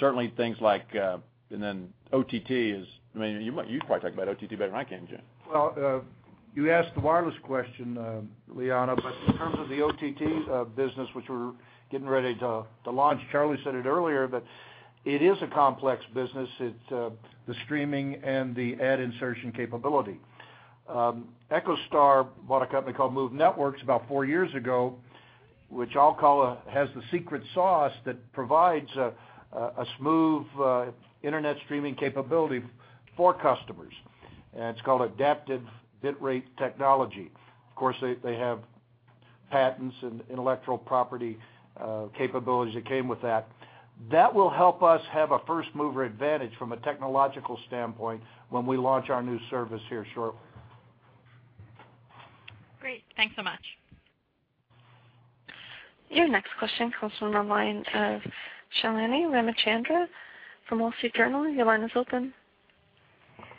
Certainly things like, and then OTT is I mean, you can probably talk about OTT better than I can, Joe Clayton. Well, you asked the wireless question, Liana. In terms of the OTT business, which we're getting ready to launch, Charlie said it earlier, that it is a complex business. It's the streaming and the ad insertion capability. EchoStar bought a company called Move Networks about four years ago, which I'll call has the secret sauce that provides a smooth internet streaming capability for customers, and it's called Adaptive Bitrate Technology. Of course they have patents and intellectual property capabilities that came with that. That will help us have a first-mover advantage from a technological standpoint when we launch our new service here shortly. Great. Thanks so much. Your next question comes from the line of Shalini Ramachandran from The Wall Street Journal. Your line is open.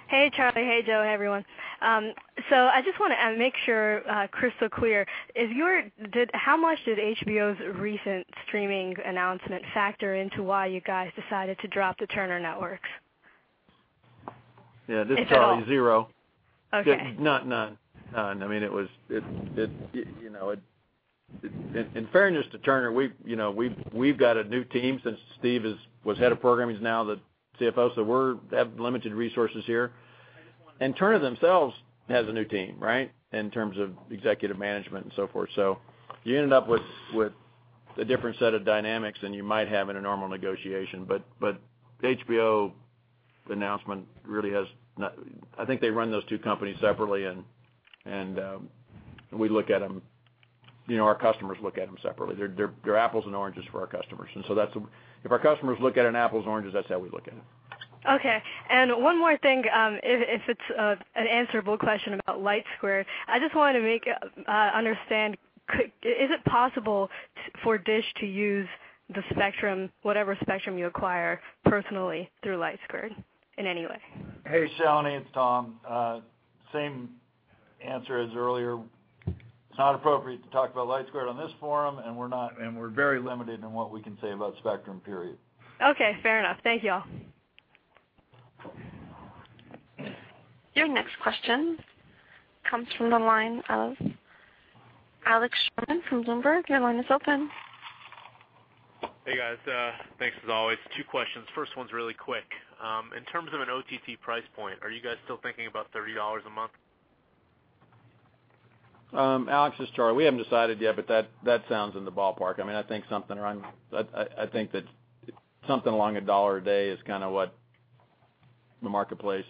Hey, Charlie. Hey, Joe, everyone. I just wanna make sure crystal clear. How much did HBO's recent streaming announcement factor into why you guys decided to drop the Turner networks? Yeah, this is Charlie. At all? Zero. Okay. Just none. None. I mean, you know, in fairness to Turner, we've, you know, we've got a new team since Steve was Head of Programming, he's now the CFO, so we have limited resources here. Turner themselves has a new team, right? In terms of executive management and so forth. You end up with a different set of dynamics than you might have in a normal negotiation. HBO announcement really has I think they run those two companies separately, and we look at them, you know, our customers look at them separately. They're apples and oranges for our customers. If our customers look at them apples and oranges, that's how we look at them. Okay. One more thing, if it's an answerable question about LightSquared. I just wanted to understand, is it possible for DISH to use the spectrum, whatever spectrum you acquire personally through LightSquared in any way? Hey, Shalini, it's Tom. Same answer as earlier. It's not appropriate to talk about LightSquared on this forum, and we're very limited in what we can say about spectrum, period. Okay. Fair enough. Thank you all. Your next question comes from the line of Alex Sherman from Bloomberg. Your line is open. Hey, guys. thanks as always. Two questions. First one's really quick. In terms of an OTT price point, are you guys still thinking about $30 a month? Alex, this is Charlie. We haven't decided yet, but that sounds in the ballpark. I mean, I think something around something along $1 a day is kinda what the marketplace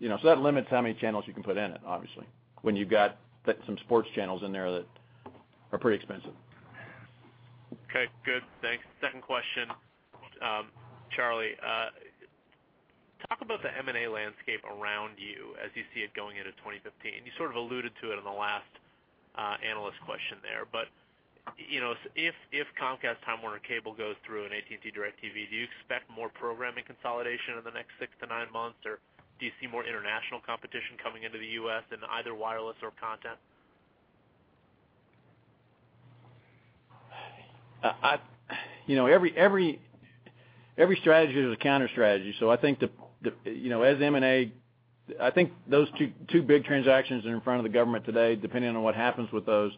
You know, that limits how many channels you can put in it, obviously, when you've got some sports channels in there that are pretty expensive. Okay, good. Thanks. Second question. Charlie, talk about the M&A landscape around you as you see it going into 2015. You sort of alluded to it in the last analyst question there. You know, if Comcast-Time Warner Cable goes through and AT&T-DIRECTV, do you expect more programming consolidation in the next 6-9 months, or do you see more international competition coming into the U.S. in either wireless or content? You know, every strategy, there's a counter strategy. I think the, you know, as M&A I think those two big transactions that are in front of the government today, depending on what happens with those,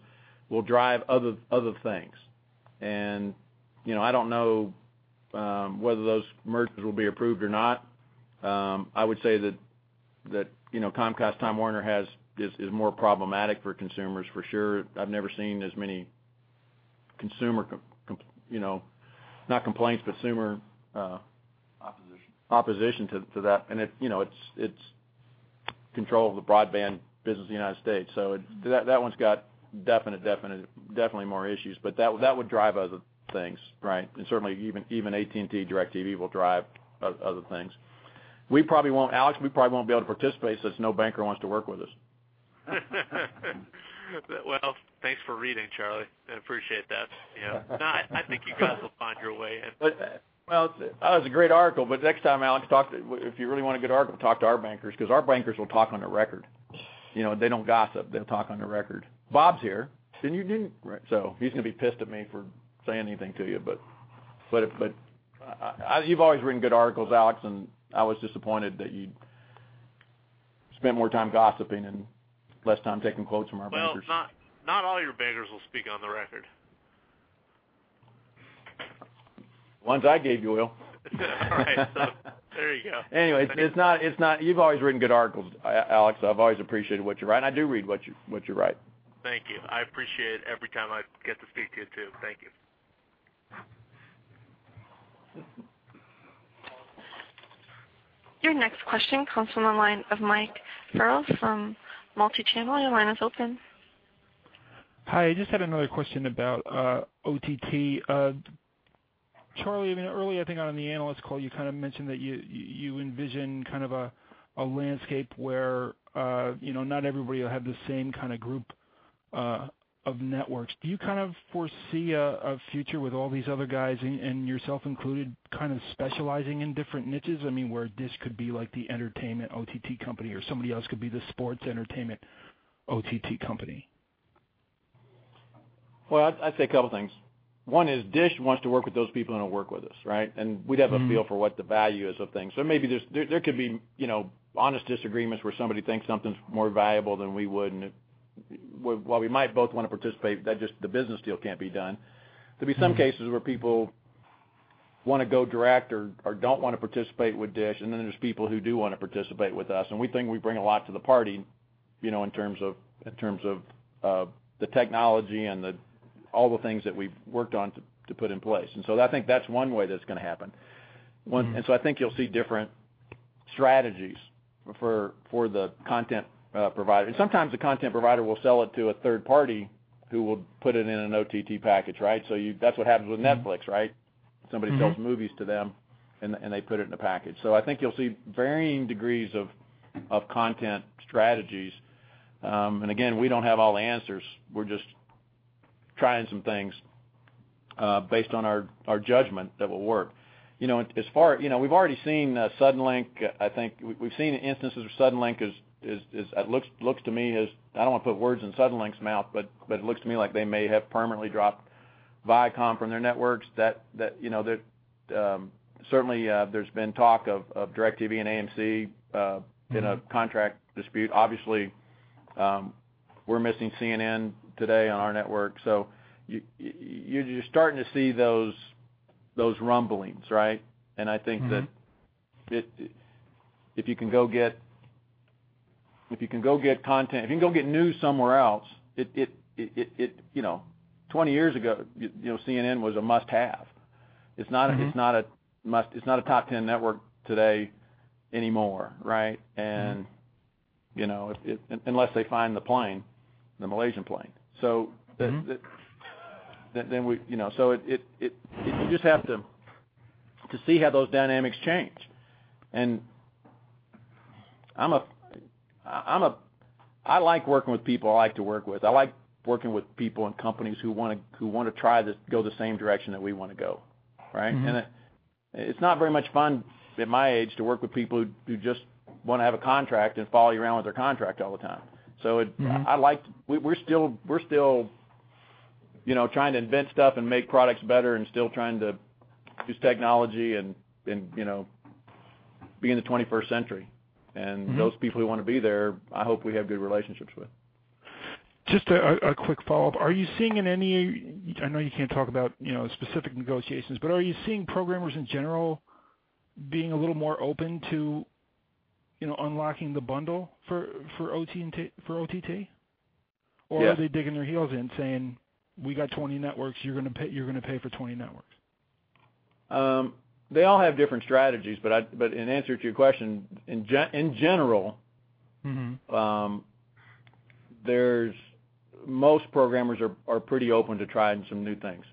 will drive other things. You know, I don't know whether those mergers will be approved or not. I would say that, you know, Comcast-Time Warner has, is more problematic for consumers for sure. I've never seen as many consumer comp, you know, not complaints, but consumer-- Opposition --opposition to that. It, you know, it's control of the broadband business in the United States. That one's got definite, definitely more issues. That would drive other things, right? Certainly even AT&T-DIRECTV will drive other things. Alex, we probably won't be able to participate since no banker wants to work with us. Well, thanks for reading, Charlie. I appreciate that. You know. No, I think you guys will find your way in. Well, that was a great article. Next time, Alex, if you really want a good article, talk to our bankers 'cause our bankers will talk on the record. You know, they don't gossip. They'll talk on the record. Bob's here. Didn't you? He's gonna be pissed at me for saying anything to you've always written good articles, Alex, and I was disappointed that you'd spent more time gossiping and less time taking quotes from our bankers. Well, not all your bankers will speak on the record. The ones I gave you will. All right, there you go. You've always written good articles, Alex, so I've always appreciated what you write, and I do read what you write. Thank you. I appreciate every time I get to speak to you too. Thank you. Your next question comes from the line of Mike Farrell from Multichannel. Your line is open. Hi. I just had another question about OTT. Charlie, I mean, earlier, I think on the analyst call, you kind of mentioned that you envision kind of a landscape where, you know, not everybody will have the same kind of group of networks. Do you kind of foresee a future with all these other guys and yourself included, kind of specializing in different niches? I mean, where DISH could be like the entertainment OTT company or somebody else could be the sports entertainment OTT company. Well, I'd say a couple things. One is DISH wants to work with those people that'll work with us, right? We'd have a feel for what the value is of things. Maybe there's, there could be, you know, honest disagreements where somebody thinks something's more valuable than we would, and while we might both wanna participate, the business deal can't be done. There'd be some cases where people wanna go direct or don't wanna participate with DISH, and then there's people who do wanna participate with us. We think we bring a lot to the party, you know, in terms of the technology and the, all the things that we've worked on to put in place. I think that's one way that it's gonna happen. I think you'll see different strategies for the content provider. Sometimes the content provider will sell it to a third party who will put it in an OTT package, right? That's what happens with Netflix, right? Somebody sells movies to them, and they put it in a package. I think you'll see varying degrees of content strategies. Again, we don't have all the answers. We're just trying some things based on our judgment that will work. You know, we've already seen Suddenlink. We've seen instances where Suddenlink looks to me as I don't wanna put words in Suddenlink's mouth, but it looks to me like they may have permanently dropped Viacom from their networks. That, you know, certainly, there's been talk of DIRECTV and AMC in a contract dispute. Obviously, we're missing CNN today on our network. You're starting to see those rumblings, right? I think that if you can go get content, if you can go get news somewhere else, it, you know, 20 years ago, you know, CNN was a must-have. It's not a must. It's not a top 10 network today anymore, right? You know, unless they find the plane, the Malaysian plane. It, you just have to see how those dynamics change. I like working with people I like to work with. I like working with people and companies who wanna try to go the same direction that we wanna go, right? It's not very much fun at my age to work with people who just wanna have a contract and follow you around with their contract all the time. We're still, you know, trying to invent stuff and make products better and still trying to use technology and, you know, be in the 21st century. Those people who wanna be there, I hope we have good relationships with. Just a quick follow-up. Are you seeing, I know you can't talk about, you know, specific negotiations, but are you seeing programmers in general being a little more open to, you know, unlocking the bundle for OTT? Yeah. Are they digging their heels in, saying, "We got 20 networks. You're gonna pay for 20 networks"? They all have different strategies, But in answer to your question, in general. Most programmers are pretty open to trying some new things,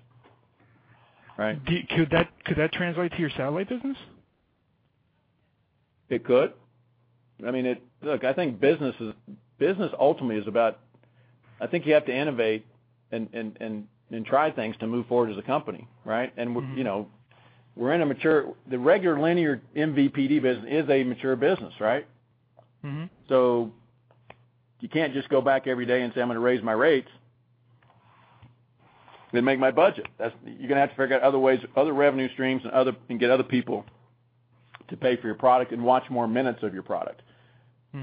right? Could that translate to your satellite business? It could. I mean, Look, I think business is ultimately about, I think you have to innovate and try things to move forward as a company, right? You know, the regular linear MVPD business is a mature business, right? You can't just go back every day and say, "I'm gonna raise my rates and make my budget." You're gonna have to figure out other ways, other revenue streams and get other people to pay for your product and watch more minutes of your product. I'm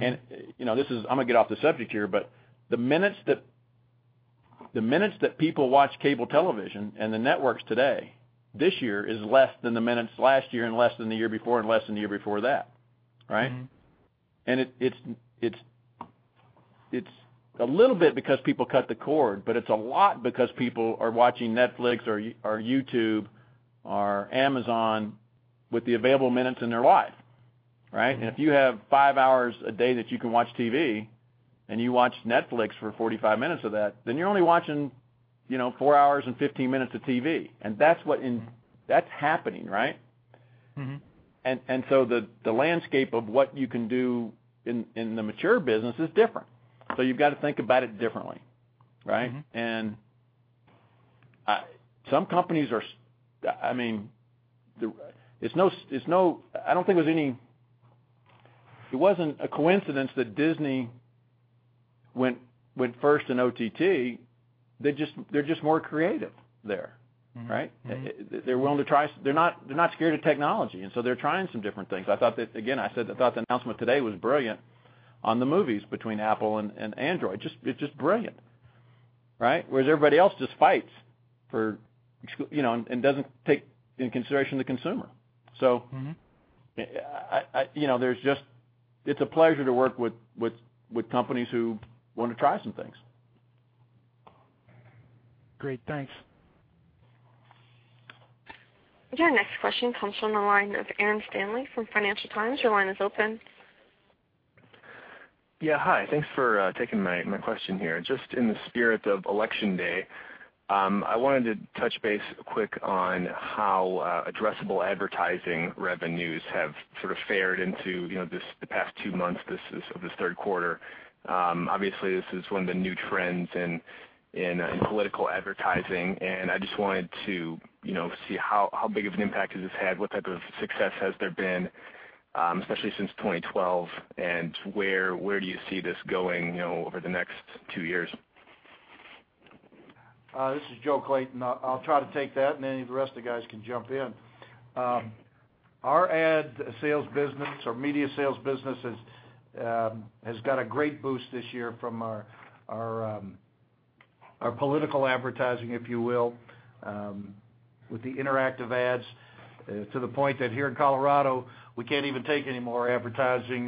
gonna get off the subject here, but the minutes that people watch cable television and the networks today, this year, is less than the minutes last year and less than the year before and less than the year before that, right? It's a little bit because people cut the cord, but it's a lot because people are watching Netflix or YouTube or Amazon with the available minutes in their life, right? If you have five hours a day that you can watch TV, and you watch Netflix for 45 minutes of that, then you're only watching, you know, 4 hours and 15 minutes of TV. That's what in, that's happening, right? The landscape of what you can do in the mature business is different, so you've got to think about it differently, right? Some companies are, I mean, there's no, I don't think there's any, it wasn't a coincidence that Disney went first in OTT. They're just more creative there, right? Mm-hmm. Mm-hmm. They're willing to try. They're not scared of technology, and so they're trying some different things. I thought that, again, I said I thought the announcement today was brilliant on the movies between Apple and Android. Just, it's just brilliant, right? Whereas everybody else just fights for you know, and doesn't take into consideration the consumer. I, you know, it's a pleasure to work with companies who wanna try some things. Great. Thanks. Your next question comes from the line of Aaron Stanley from Financial Times. Your line is open. Yeah. Hi. Thanks for taking my question here. Just in the spirit of election day, I wanted to touch base quick on how addressable advertising revenues have sort of fared into, you know, the past two months, of this third quarter. Obviously this is one of the new trends in political advertising, I just wanted to, you know, see how big of an impact has this had? What type of success has there been, especially since 2012? Where do you see this going, you know, over the next two years? This is Joe Clayton. I'll try to take that, and any of the rest of the guys can jump in. Our ad sales business or media sales business has got a great boost this year from our political advertising, if you will, with the interactive ads, to the point that here in Colorado, we can't even take any more advertising.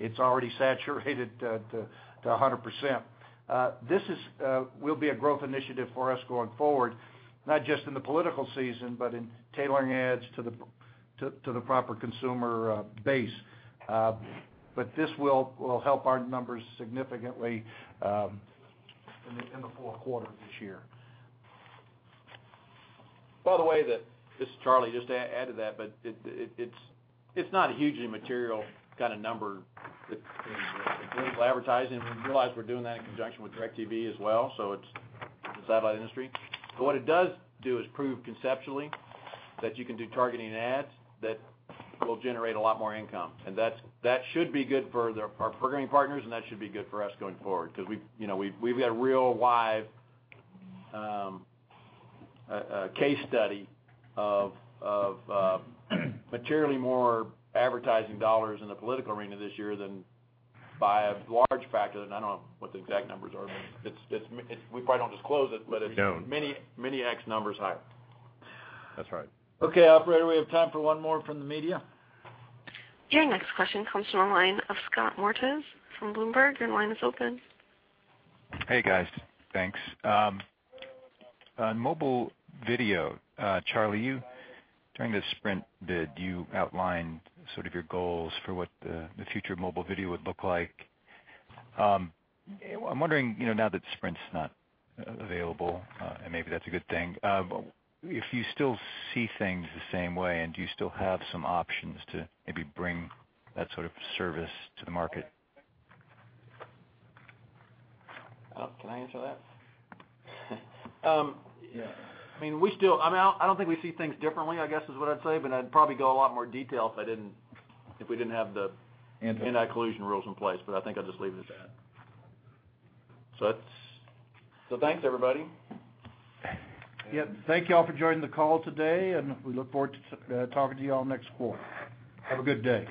It's already saturated to 100%. This will be a growth initiative for us going forward, not just in the political season, but in tailoring ads to the proper consumer base. This will help our numbers significantly in the fourth quarter this year. This is Charlie, just to add to that, it's not a hugely material kind of number that's in digital advertising, and realize we're doing that in conjunction with DIRECTV as well, so it's the satellite industry. What it does do is prove conceptually that you can do targeting ads that will generate a lot more income, and that should be good for the, our programming partners, and that should be good for us going forward 'cause we've, you know, got a real live case study of materially more advertising dollars in the political arena this year than by a large factor. I don't know what the exact numbers are, but we probably don't disclose it. We don't. Many, many X numbers higher. That's right. Okay, operator, we have time for one more from the media. Your next question comes from the line of Scott Moritz from Bloomberg. Your line is open. Hey, guys. Thanks. On mobile video, Charlie, you, during the Sprint bid, you outlined sort of your goals for what the future of mobile video would look like. I'm wondering, you know, now that Sprint's not available, maybe that's a good thing, but if you still see things the same way, and do you still have some options to maybe bring that sort of service to the market? Oh, can I answer that? Yeah. I mean, we still I don't think we see things differently, I guess, is what I'd say, but I'd probably go a lot more detail if we didn't have the anti-collusion rules in place. I think I'll just leave it at that. That's. Thanks, everybody. Yeah. Thank you all for joining the call today. We look forward to talking to you all next quarter. Have a good day.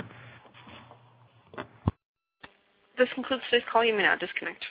This concludes today's call. You may now disconnect your line.